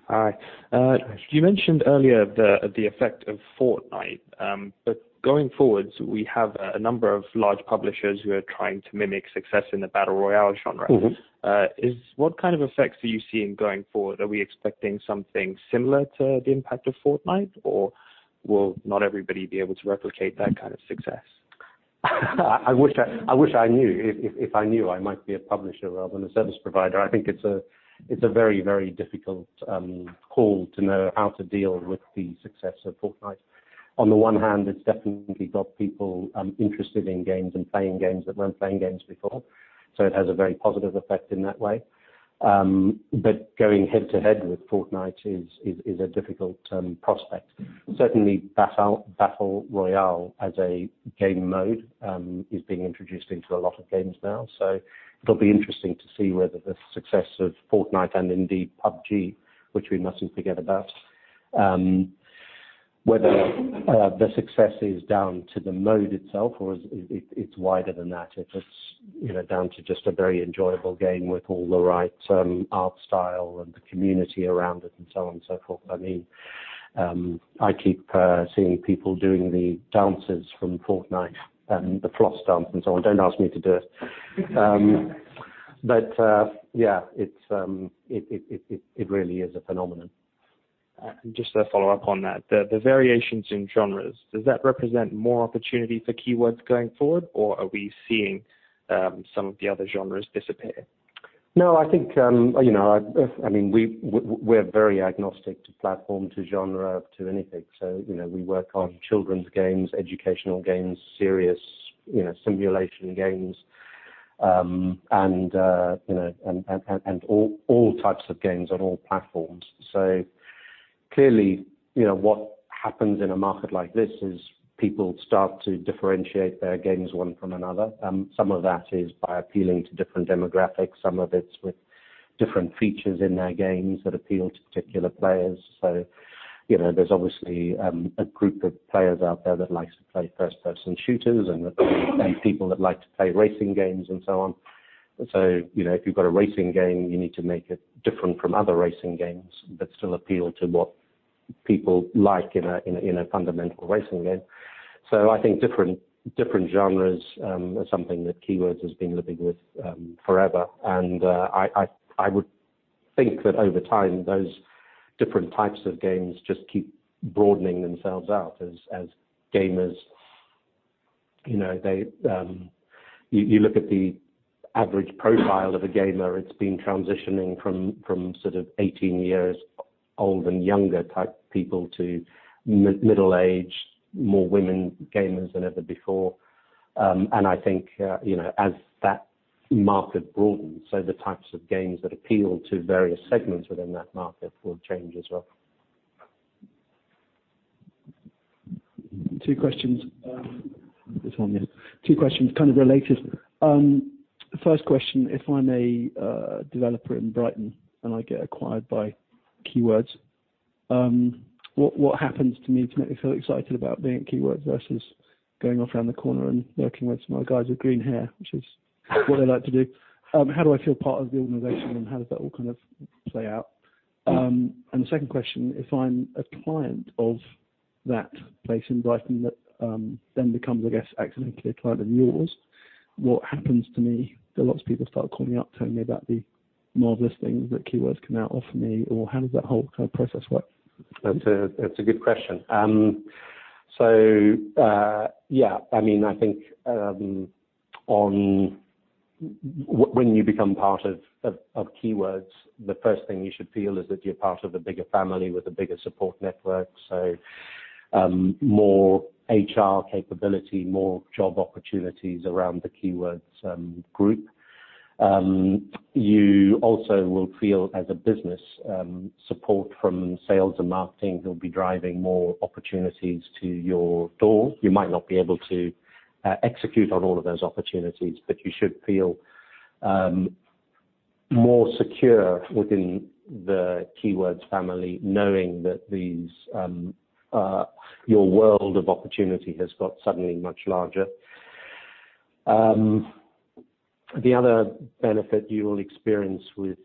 Hi. You mentioned earlier the effect of Fortnite. Going forwards, we have a number of large publishers who are trying to mimic success in the Battle Royale genre. What kind of effects are you seeing going forward? Are we expecting something similar to the impact of Fortnite, or will not everybody be able to replicate that kind of success? I wish I knew. If I knew, I might be a publisher rather than a service provider. I think it's a very difficult call to know how to deal with the success of Fortnite. On the one hand, it's definitely got people interested in games and playing games that weren't playing games before, so it has a very positive effect in that way. Going head to head with Fortnite is a difficult prospect. Certainly, Battle Royale as a game mode is being introduced into a lot of games now. It'll be interesting to see whether the success of Fortnite and indeed PUBG, which we mustn't forget about, whether the success is down to the mode itself or it's wider than that. If it's down to just a very enjoyable game with all the right art style and the community around it and so on and so forth. I keep seeing people doing the dances from Fortnite and the floss dance and so on. Don't ask me to do it. Yeah, it really is a phenomenon. Just to follow up on that, the variations in genres, does that represent more opportunity for Keywords going forward, or are we seeing some of the other genres disappear? We're very agnostic to platform, to genre, to anything. We work on children's games, educational games, serious simulation games, and all types of games on all platforms. Clearly, what happens in a market like this is people start to differentiate their games one from another. Some of that is by appealing to different demographics, some of it's with different features in their games that appeal to particular players. There's obviously a group of players out there that likes to play first-person shooters and people that like to play racing games and so on. If you've got a racing game, you need to make it different from other racing games, but still appeal to what people like in a fundamental racing game. I think different genres are something that Keywords has been living with forever, and I would think that over time, those different types of games just keep broadening themselves out as gamers. You look at the average profile of a gamer, it's been transitioning from 18 years old and younger type people to middle-aged, more women gamers than ever before. I think as that market broadens, so the types of games that appeal to various segments within that market will change as well. Two questions, kind of related. First question, if I'm a developer in Brighton and I get acquired by Keywords, what happens to me to make me feel excited about being at Keywords versus going off around the corner and working with some other guys with green hair, which is what I like to do? How do I feel part of the organization, and how does that all kind of play out? The second question, if I'm a client of that place in Brighton that then becomes, I guess, accidentally a client of yours, what happens to me? Do lots of people start calling me up telling me about the marvelous things that Keywords can now offer me, or how does that whole kind of process work? That's a good question. Yeah, I think when you become part of Keywords, the first thing you should feel is that you're part of a bigger family with a bigger support network. More HR capability, more job opportunities around the Keywords group. You also will feel, as a business, support from sales and marketing who'll be driving more opportunities to your door. You might not be able to execute on all of those opportunities, but you should feel more secure within the Keywords family, knowing that your world of opportunity has got suddenly much larger. The other benefit you will experience with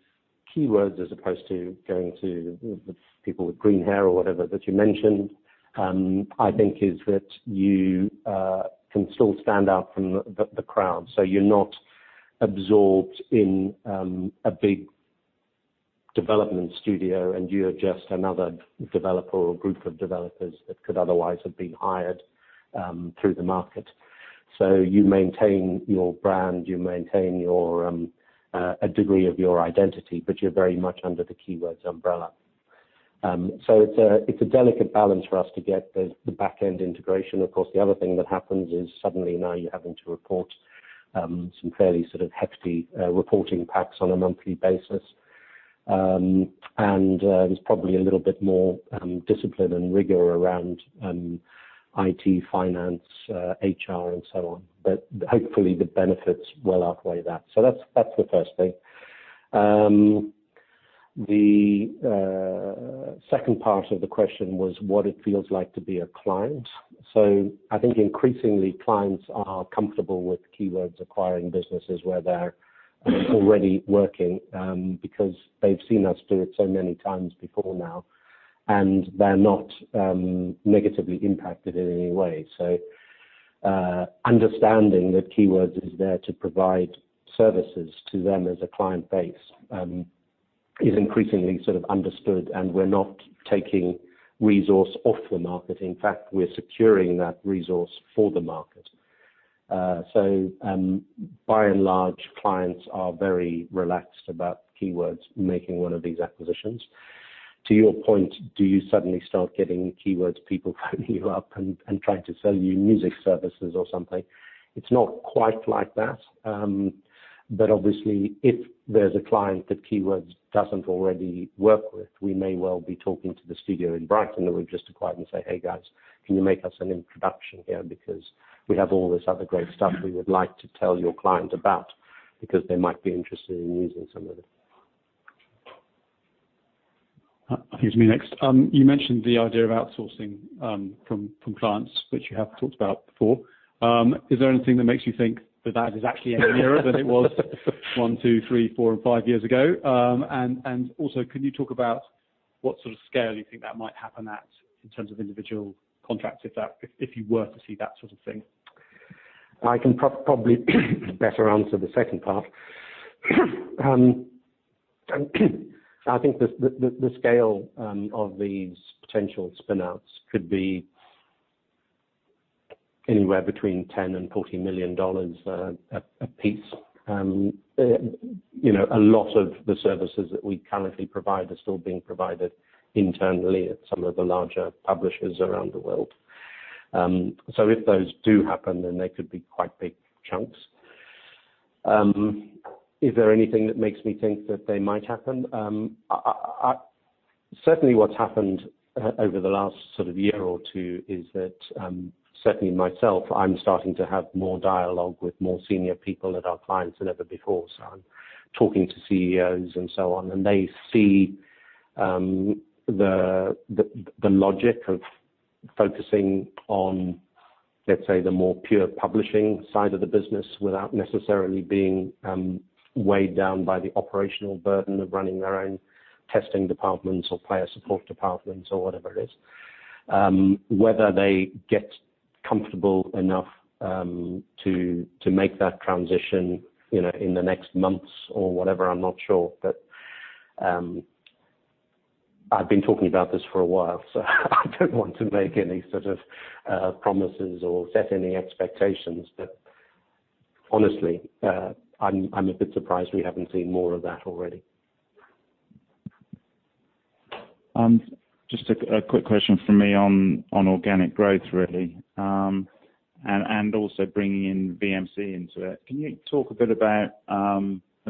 Keywords as opposed to going to people with green hair or whatever that you mentioned, I think is that you can still stand out from the crowd. You're not absorbed in a big development studio, and you're just another developer or group of developers that could otherwise have been hired through the market. You maintain your brand, you maintain a degree of your identity, but you're very much under the Keywords umbrella. It's a delicate balance for us to get the back-end integration. Of course, the other thing that happens is suddenly now you're having to report some fairly hefty reporting packs on a monthly basis. There's probably a little bit more discipline and rigor around IT, finance, HR and so on. Hopefully the benefits will outweigh that. That's the first thing. The second part of the question was what it feels like to be a client. I think increasingly, clients are comfortable with Keywords acquiring businesses where they're already working, because they've seen us do it so many times before now, and they're not negatively impacted in any way. Understanding that Keywords is there to provide services to them as a client base Is increasingly understood, and we're not taking resource off the market. In fact, we're securing that resource for the market. By and large, clients are very relaxed about Keywords making one of these acquisitions. To your point, do you suddenly start getting Keywords people phoning you up and trying to sell you music services or something? It's not quite like that. Obviously, if there's a client that Keywords doesn't already work with, we may well be talking to the studio in Brighton, and we just acquire and say, "Hey guys, can you make us an introduction here? We have all this other great stuff we would like to tell your client about, because they might be interested in using some of it. I think it's me next. You mentioned the idea of outsourcing from clients, which you have talked about before. Is there anything that makes you think that is actually any nearer than it was one, two, three, four, and five years ago? Also, can you talk about what sort of scale you think that might happen at in terms of individual contracts if you were to see that sort of thing? I can probably better answer the second part. I think the scale of these potential spin-outs could be anywhere between 10 million and EUR 40 million apiece. A lot of the services that we currently provide are still being provided internally at some of the larger publishers around the world. If those do happen, then they could be quite big chunks. Is there anything that makes me think that they might happen? Certainly, what's happened over the last year or two is that certainly myself, I'm starting to have more dialogue with more senior people at our clients than ever before. I'm talking to CEOs and so on, and they see the logic of focusing on, let's say, the more pure publishing side of the business without necessarily being weighed down by the operational burden of running their own testing departments or player support departments or whatever it is. Whether they get comfortable enough to make that transition in the next months or whatever, I'm not sure. I've been talking about this for a while, I don't want to make any sort of promises or set any expectations. Honestly, I'm a bit surprised we haven't seen more of that already. Just a quick question from me on organic growth, really, and also bringing in VMC into it. Can you talk a bit about,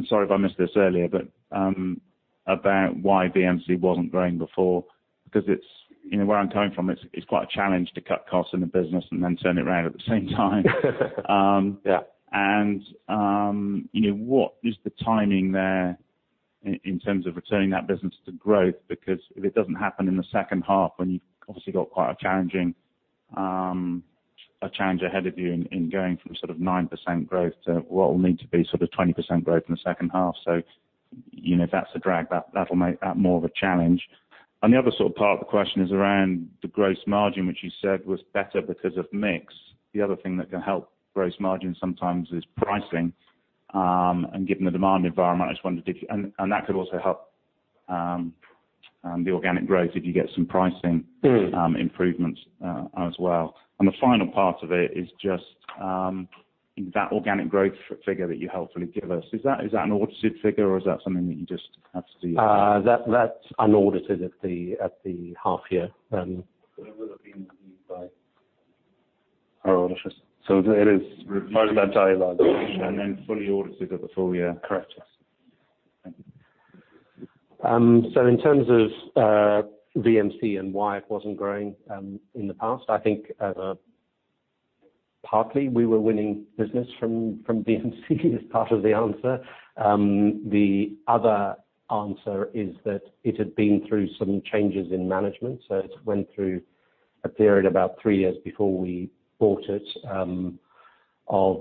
sorry if I missed this earlier, about why VMC wasn't growing before? Where I'm coming from, it's quite a challenge to cut costs in the business and then turn it around at the same time. Yeah. What is the timing there in terms of returning that business to growth? If it doesn't happen in the second half when you've obviously got quite a challenge ahead of you in going from 9% growth to what will need to be 20% growth in the second half. If that's a drag, that'll make that more of a challenge. The other part of the question is around the gross margin, which you said was better because of mix. The other thing that can help gross margin sometimes is pricing. Given the demand environment, I just wondered if that could also help the organic growth if you get some pricing improvements as well. The final part of it is just that organic growth figure that you helpfully give us. Is that an audited figure or is that something that you just have to? That's unaudited at the half year. It will have been reviewed by our auditors. It is. Part of that dialogue, yeah. Then fully audited at the full year. Correct. Yes. Thank you. In terms of VMC and why it wasn't growing in the past, I think partly we were winning business from VMC is part of the answer. The other answer is that it had been through some changes in management. It went through a period about three years before we bought it, of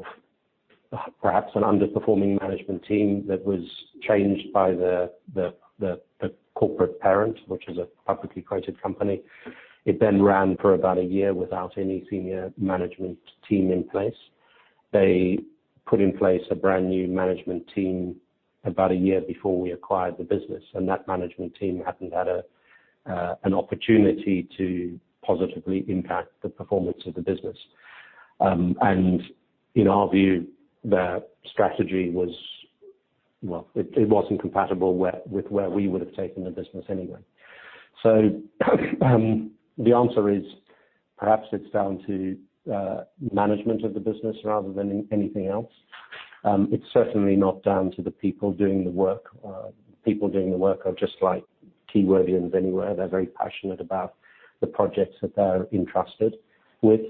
perhaps an underperforming management team that was changed by the corporate parent, which is a publicly quoted company. It then ran for about a year without any senior management team in place. They put in place a brand new management team about a year before we acquired the business, and that management team hadn't had an opportunity to positively impact the performance of the business. In our view, their strategy was Well, it wasn't compatible with where we would have taken the business anyway. The answer is perhaps it's down to management of the business rather than anything else. It's certainly not down to the people doing the work. People doing the work are just like Keywordians anywhere. They're very passionate about the projects that they're entrusted with.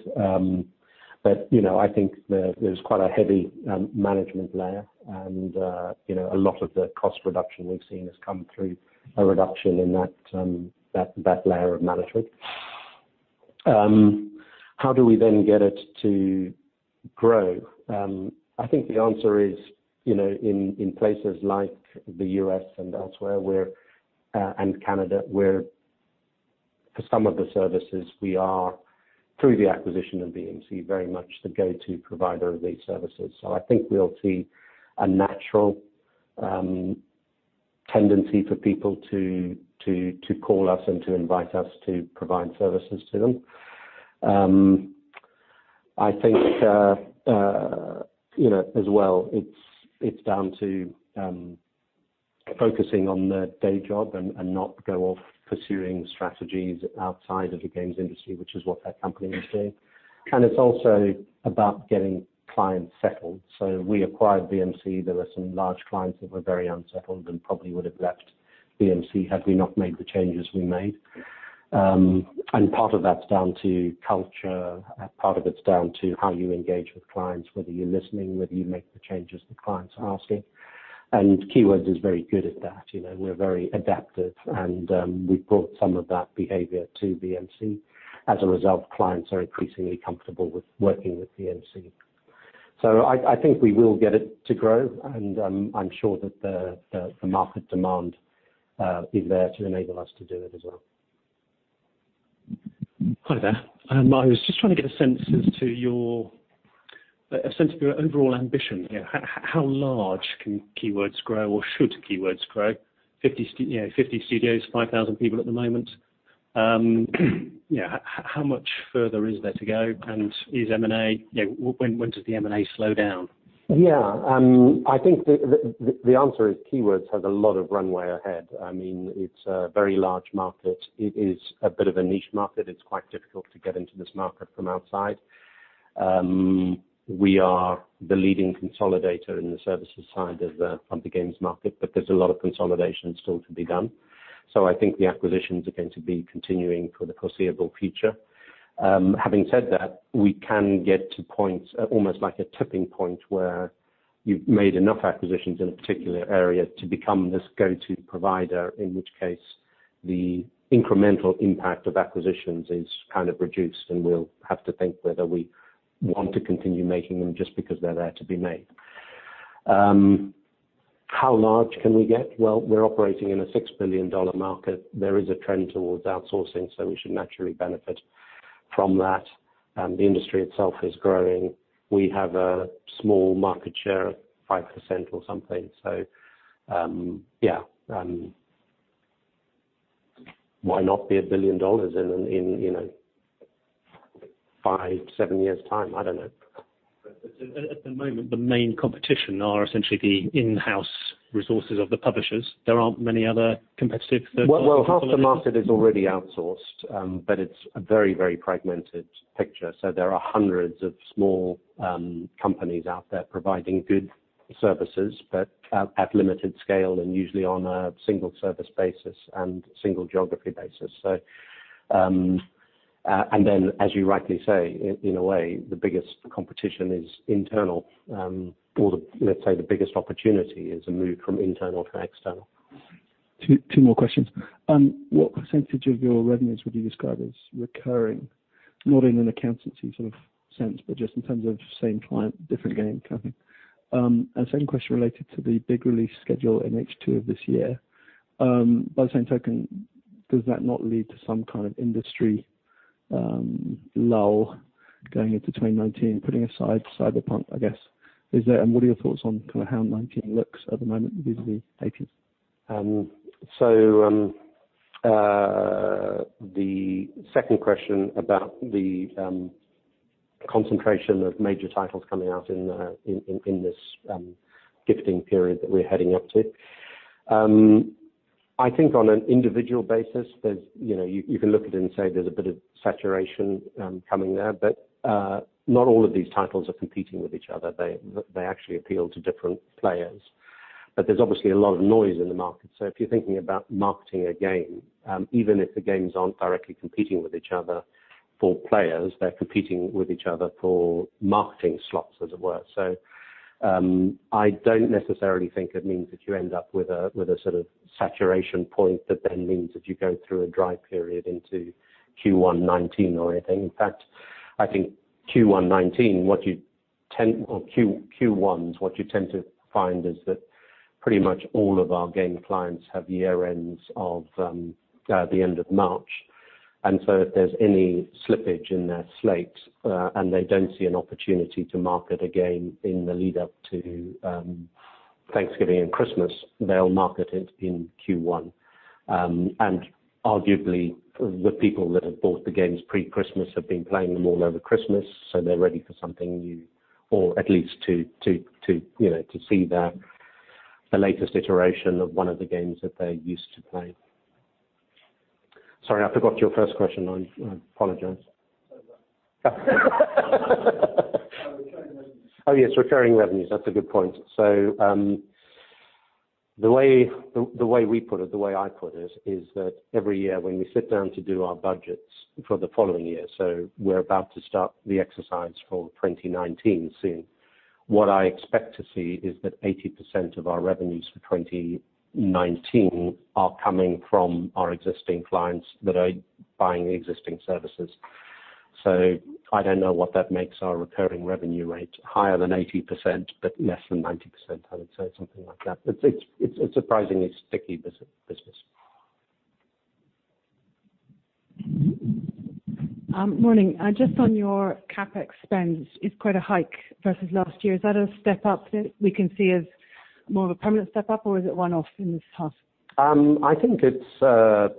I think there's quite a heavy management layer, and a lot of the cost reduction we've seen has come through a reduction in that layer of management. How do we then get it to grow? I think the answer is, in places like the U.S. and elsewhere, and Canada, where for some of the services we are, through the acquisition of VMC, very much the go-to provider of these services. I think we'll see a natural tendency for people to call us and to invite us to provide services to them. I think, as well, it's down to focusing on the day job and not go off pursuing strategies outside of the games industry, which is what that company was doing. It's also about getting clients settled. We acquired VMC, there were some large clients that were very unsettled and probably would have left VMC had we not made the changes we made. Part of that's down to culture, part of it's down to how you engage with clients, whether you're listening, whether you make the changes the clients are asking. Keywords is very good at that. We're very adaptive, and we've brought some of that behavior to VMC. As a result, clients are increasingly comfortable with working with VMC. I think we will get it to grow, and I'm sure that the market demand is there to enable us to do it as well. Hi there. I was just trying to get a sense as to your overall ambition. How large can Keywords grow or should Keywords grow? 50 studios, 5,000 people at the moment. How much further is there to go? When does the M&A slow down? Yeah. I think the answer is Keywords has a lot of runway ahead. It's a very large market. It is a bit of a niche market. It's quite difficult to get into this market from outside. We are the leading consolidator in the services side of the games market, but there's a lot of consolidation still to be done. I think the acquisitions are going to be continuing for the foreseeable future. Having said that, we can get to points, almost like a tipping point, where you've made enough acquisitions in a particular area to become this go-to provider, in which case, the incremental impact of acquisitions is kind of reduced, and we'll have to think whether we want to continue making them just because they're there to be made. How large can we get? Well, we're operating in a EUR 6 billion market. There is a trend towards outsourcing, we should naturally benefit from that. The industry itself is growing. We have a small market share of 5% or something. Yeah. Why not be a EUR 1 billion in five, seven years' time? I don't know. At the moment, the main competition are essentially the in-house resources of the publishers. There aren't many other competitive third parties- Well, half the market is already outsourced, but it's a very fragmented picture. There are hundreds of small companies out there providing good services, but at limited scale and usually on a single service basis and single geography basis. Then, as you rightly say, in a way, the biggest competition is internal. Or let's say the biggest opportunity is a move from internal to external. Two more questions. What percentage of your revenues would you describe as recurring? Not in an accountancy sort of sense, but just in terms of same client, different game kind of thing. Second question related to the big release schedule in H2 of this year. By the same token, does that not lead to some kind of industry lull going into 2019, putting aside Cyberpunk, I guess. What are your thoughts on kind of how 2019 looks at the moment vis-a-vis 2018? The second question about the concentration of major titles coming out in this gifting period that we're heading up to. I think on an individual basis, you can look at it and say there's a bit of saturation coming there, but not all of these titles are competing with each other. They actually appeal to different players. There's obviously a lot of noise in the market. If you're thinking about marketing a game, even if the games aren't directly competing with each other for players, they're competing with each other for marketing slots, as it were. I don't necessarily think it means that you end up with a sort of saturation point that then means that you go through a dry period into Q1 2019 or anything. In fact, I think Q1 2019, or Q1s, what you tend to find is that pretty much all of our game clients have year ends of the end of March. If there's any slippage in their slates, and they don't see an opportunity to market a game in the lead up to Thanksgiving and Christmas, they'll market it in Q1. Arguably, the people that have bought the games pre-Christmas have been playing them all over Christmas, so they're ready for something new or at least to see the latest iteration of one of the games that they used to play. Sorry, I forgot your first question, I apologize. It's over. Recurring revenues. Yes. Recurring revenues. That's a good point. The way I put it is that every year when we sit down to do our budgets for the following year, we're about to start the exercise for 2019 soon. What I expect to see is that 80% of our revenues for 2019 are coming from our existing clients that are buying existing services. I don't know what that makes our recurring revenue rate. Higher than 80%, but less than 90%, I would say something like that. It's a surprisingly sticky business. Morning. Just on your CapEx spend, it's quite a hike versus last year. Is that a step up that we can see as more of a permanent step up, or is it one-off in this half? I think it's a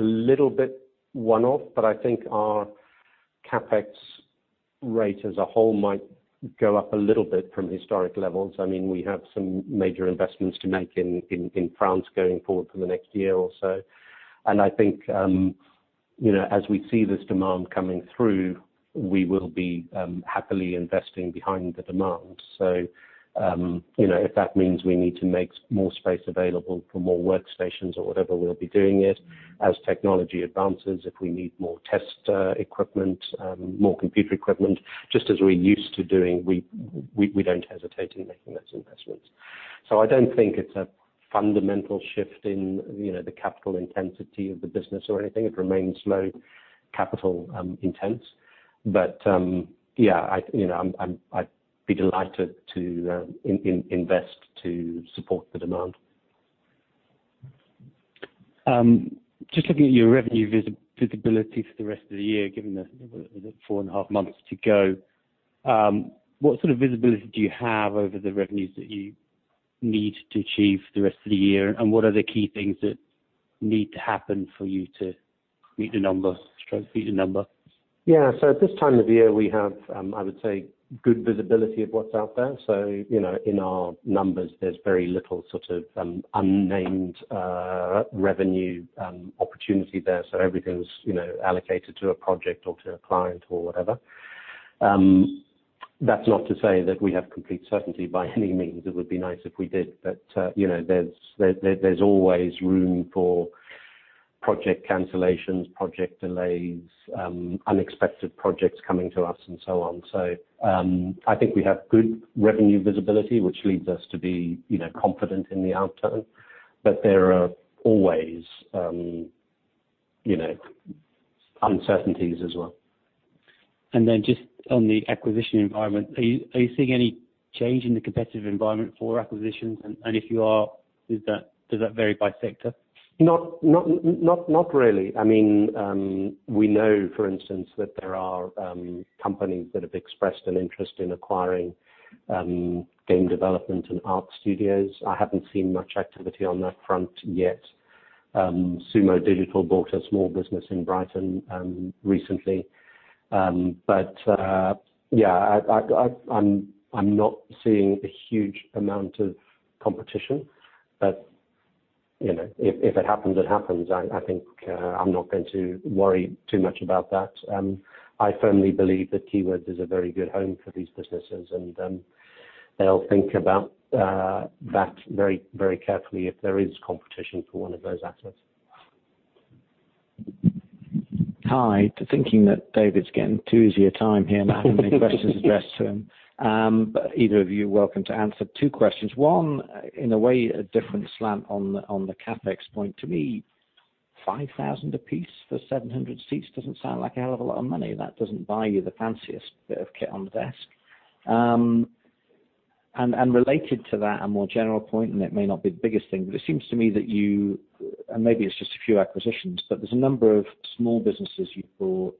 little bit one-off, but I think our CapEx rate as a whole might go up a little bit from historic levels. We have some major investments to make in France going forward for the next year or so. I think as we see this demand coming through, we will be happily investing behind the demand. If that means we need to make more space available for more workstations or whatever, we'll be doing it. As technology advances, if we need more test equipment, more computer equipment, just as we're used to doing, we don't hesitate in making those investments. I don't think it's a fundamental shift in the capital intensity of the business or anything. It remains low capital intense. Yeah, I'd be delighted to invest to support the demand. Just looking at your revenue visibility for the rest of the year, given the four and a half months to go, what sort of visibility do you have over the revenues that you need to achieve for the rest of the year, and what are the key things that need to happen for you to meet the number? Yeah. At this time of year, we have, I would say, good visibility of what's out there. In our numbers, there's very little unnamed revenue opportunity there. Everything's allocated to a project or to a client or whatever. That's not to say that we have complete certainty by any means. It would be nice if we did, but there's always room for project cancellations, project delays, unexpected projects coming to us, and so on. I think we have good revenue visibility, which leads us to be confident in the outcome. There are always uncertainties as well. Just on the acquisition environment, are you seeing any change in the competitive environment for acquisitions? If you are, does that vary by sector? Not really. We know, for instance, that there are companies that have expressed an interest in acquiring game development and art studios. I haven't seen much activity on that front yet. Sumo Digital bought a small business in Brighton recently. Yeah, I'm not seeing a huge amount of competition. If it happens, it happens. I think I'm not going to worry too much about that. I firmly believe that Keywords is a very good home for these businesses, and they'll think about that very carefully if there is competition for one of those assets. Hi. Thinking that David's getting too easy a time here now, how many questions addressed to him. Either of you, welcome to answer two questions. One, in a way, a different slant on the CapEx point. To me, 5,000 a piece for 700 seats doesn't sound like a hell of a lot of money. That doesn't buy you the fanciest bit of kit on the desk. Related to that, a more general point, and it may not be the biggest thing, but it seems to me that maybe it's just a few acquisitions, but there's a number of small businesses you've bought,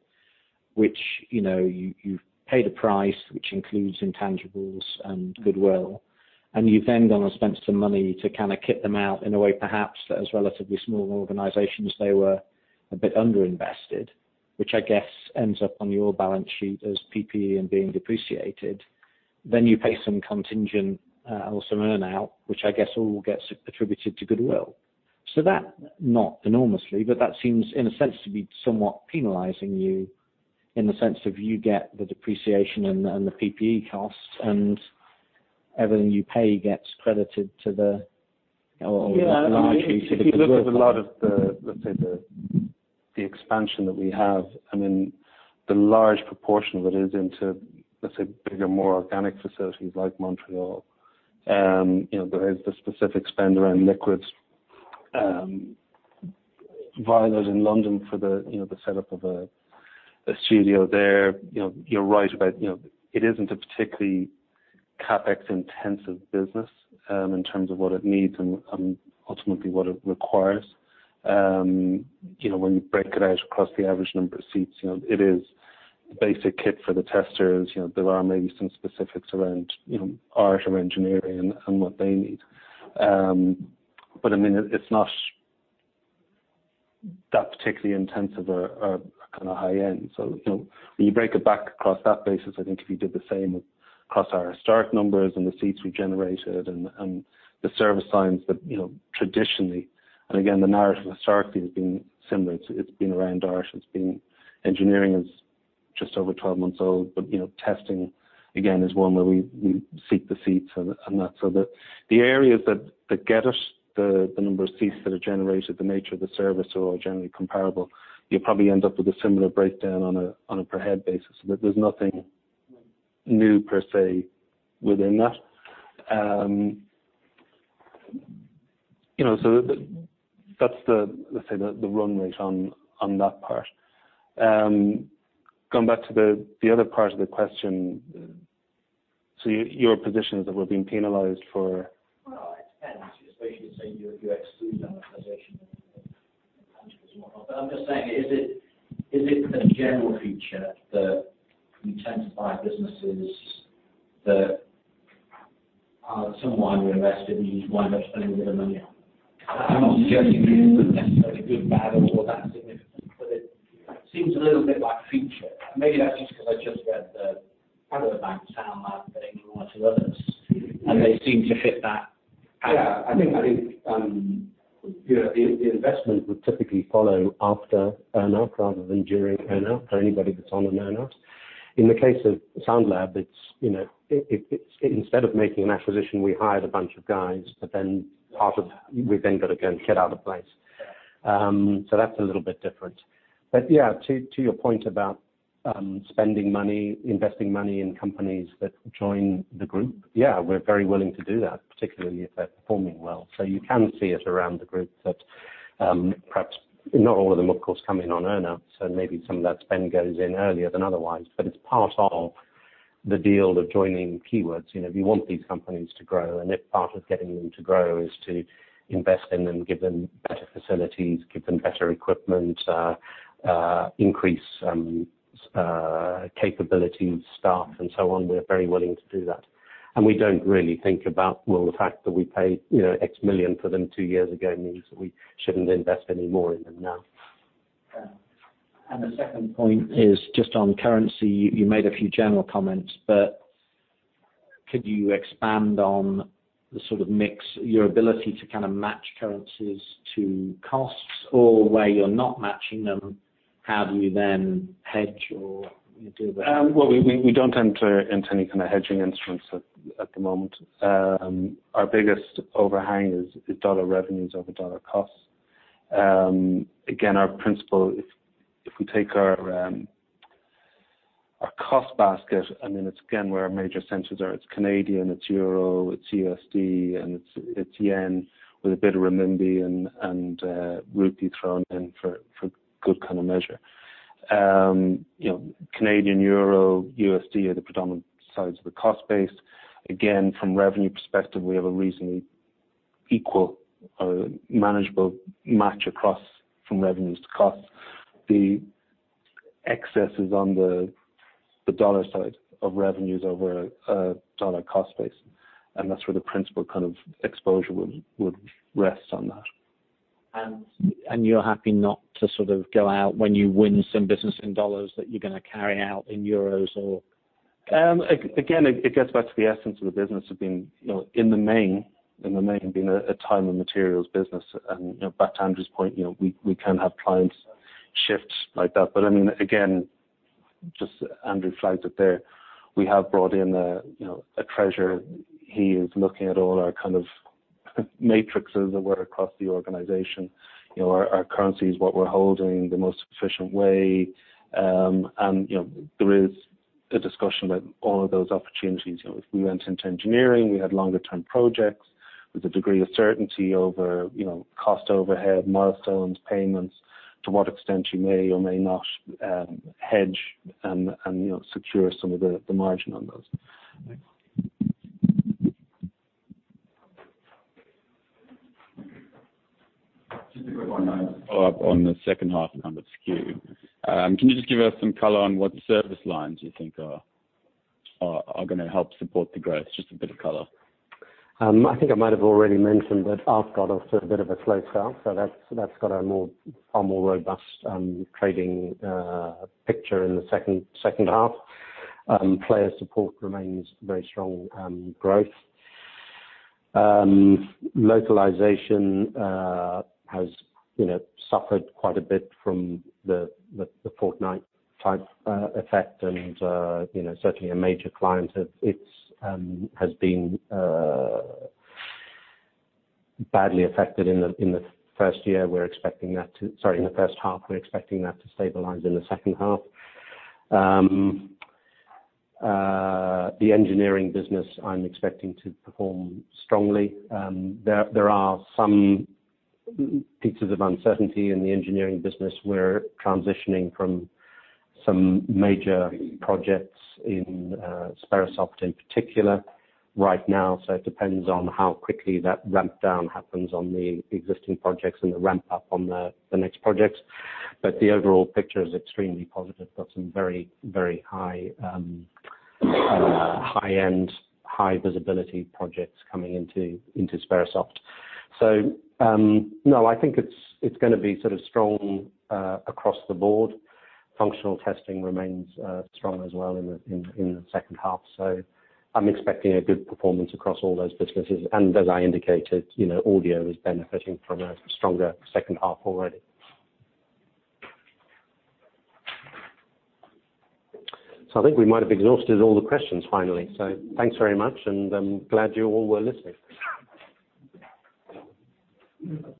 which you've paid a price which includes intangibles and goodwill, and you've then gone and spent some money to kind of kit them out in a way perhaps that as relatively small organizations, they were a bit under-invested, which I guess ends up on your balance sheet as PPE and being depreciated. You pay some contingent or some earn-out, which I guess all gets attributed to goodwill. That, not enormously, but that seems in a sense to be somewhat penalizing you in the sense of you get the depreciation and the PPE costs and everything you pay gets credited to the- Yeah or largely to the goodwill. If you look at a lot of the, let's say, the expansion that we have, the large proportion of it is into, let's say, bigger, more organic facilities like Montreal. There is the specific spend around Liquid Violet in London for the setup of a studio there. You're right about it isn't a particularly CapEx-intensive business in terms of what it needs and ultimately what it requires. When you break it out across the average number of seats, it is basic kit for the testers. There are maybe some specifics around art or engineering and what they need. It's not that particularly intensive or kind of high-end. When you break it back across that basis, I think if you did the same across our historic numbers and the seats we generated and the service lines that traditionally, and again, the narrative historically has been similar. It's been around art. Engineering is just over 12 months old, but testing again is one where we seek the seats and that. The areas that get us the number of seats that are generated, the nature of the service are all generally comparable. You probably end up with a similar breakdown on a per head basis. There's nothing new, per se, within that. That's the, let's say, the run rate on that part. Going back to the other part of the question, your position is that we're being penalized for- It depends. I suppose you could say you exclude localization and whatnot. I'm just saying, is it a general feature that you tend to buy businesses that someone reinvested, you wind up spending a bit of money on? I'm not suggesting it's necessarily good, bad, or that significant, but it seems a little bit like a feature. Maybe that's just because I just read the other (inaudible) Sound Lab thing in light of others, and they seem to fit that pattern. I think the investment would typically follow after earn out rather than during earn out, for anybody that's on an earn out. In the case of Sound Lab, instead of making an acquisition, we hired a bunch of guys, but then we've then got to go and get out of place. That's a little bit different. Yeah, to your point about spending money, investing money in companies that join the group. We're very willing to do that, particularly if they're performing well. You can see it around the group that perhaps not all of them, of course, come in on earn out, so maybe some of that spend goes in earlier than otherwise, but it's part of the deal of joining Keywords. If you want these companies to grow, and if part of getting them to grow is to invest in them, give them better facilities, give them better equipment, increase capability and staff and so on, we're very willing to do that. We don't really think about, well, the fact that we paid X million for them two years ago means that we shouldn't invest any more in them now. Yeah. The second point is just on currency. You made a few general comments, but could you expand on the sort of mix, your ability to kind of match currencies to costs? Or where you're not matching them, how do you then hedge, or do you do that? Well, we don't enter into any kind of hedging instruments at the moment. Our biggest overhang is USD revenues over USD costs. Again, our principle, if we take our cost basket, then it's again, where our major centers are, it's Canadian, it's euro, it's USD, and it's yen with a bit of renminbi and rupee thrown in for good kind of measure. Canadian, euro, USD are the predominant sides of the cost base. Again, from revenue perspective, we have a reasonably equal manageable match across from revenues to costs. The excess is on the USD side of revenues over a USD cost base, and that's where the principal kind of exposure would rest on that. You're happy not to sort of go out when you win some business in USD that you're going to carry out in EUR, or? Again, it gets back to the essence of the business being, in the main, being a time and materials business. Back to Andrew's point, we can have clients shift like that. Again, just Andrew flagged it there, we have brought in a treasurer. He is looking at all our kind of matrixes, across the organization, our currencies, what we're holding, the most efficient way. There is a discussion about all of those opportunities. If we went into engineering, we had longer term projects with a degree of certainty over cost overhead, milestones, payments, to what extent you may or may not hedge and secure some of the margin on those. Thanks. Just a quick one to follow up on the second half number skew. Can you just give us some color on what service lines you think are going to help support the growth? Just a bit of color. I think I might have already mentioned that Art's got off to a bit of a slow start, so that's got a far more robust trading picture in the second half. Player support remains very strong growth. Localization has suffered quite a bit from the Fortnite-type effect, and certainly a major client has been badly affected in the first year. Sorry, in the first half. We're expecting that to stabilize in the second half. The engineering business I'm expecting to perform strongly. There are some pieces of uncertainty in the engineering business. We're transitioning from some major projects in Sperasoft in particular right now. It depends on how quickly that ramp down happens on the existing projects and the ramp up on the next projects. The overall picture is extremely positive. We've got some very high-end, high-visibility projects coming into Sperasoft. No, I think it's going to be sort of strong across the board. Functional testing remains strong as well in the second half. I'm expecting a good performance across all those businesses. As I indicated, audio is benefiting from a stronger second half already. I think we might have exhausted all the questions finally. Thanks very much, and I'm glad you all were listening.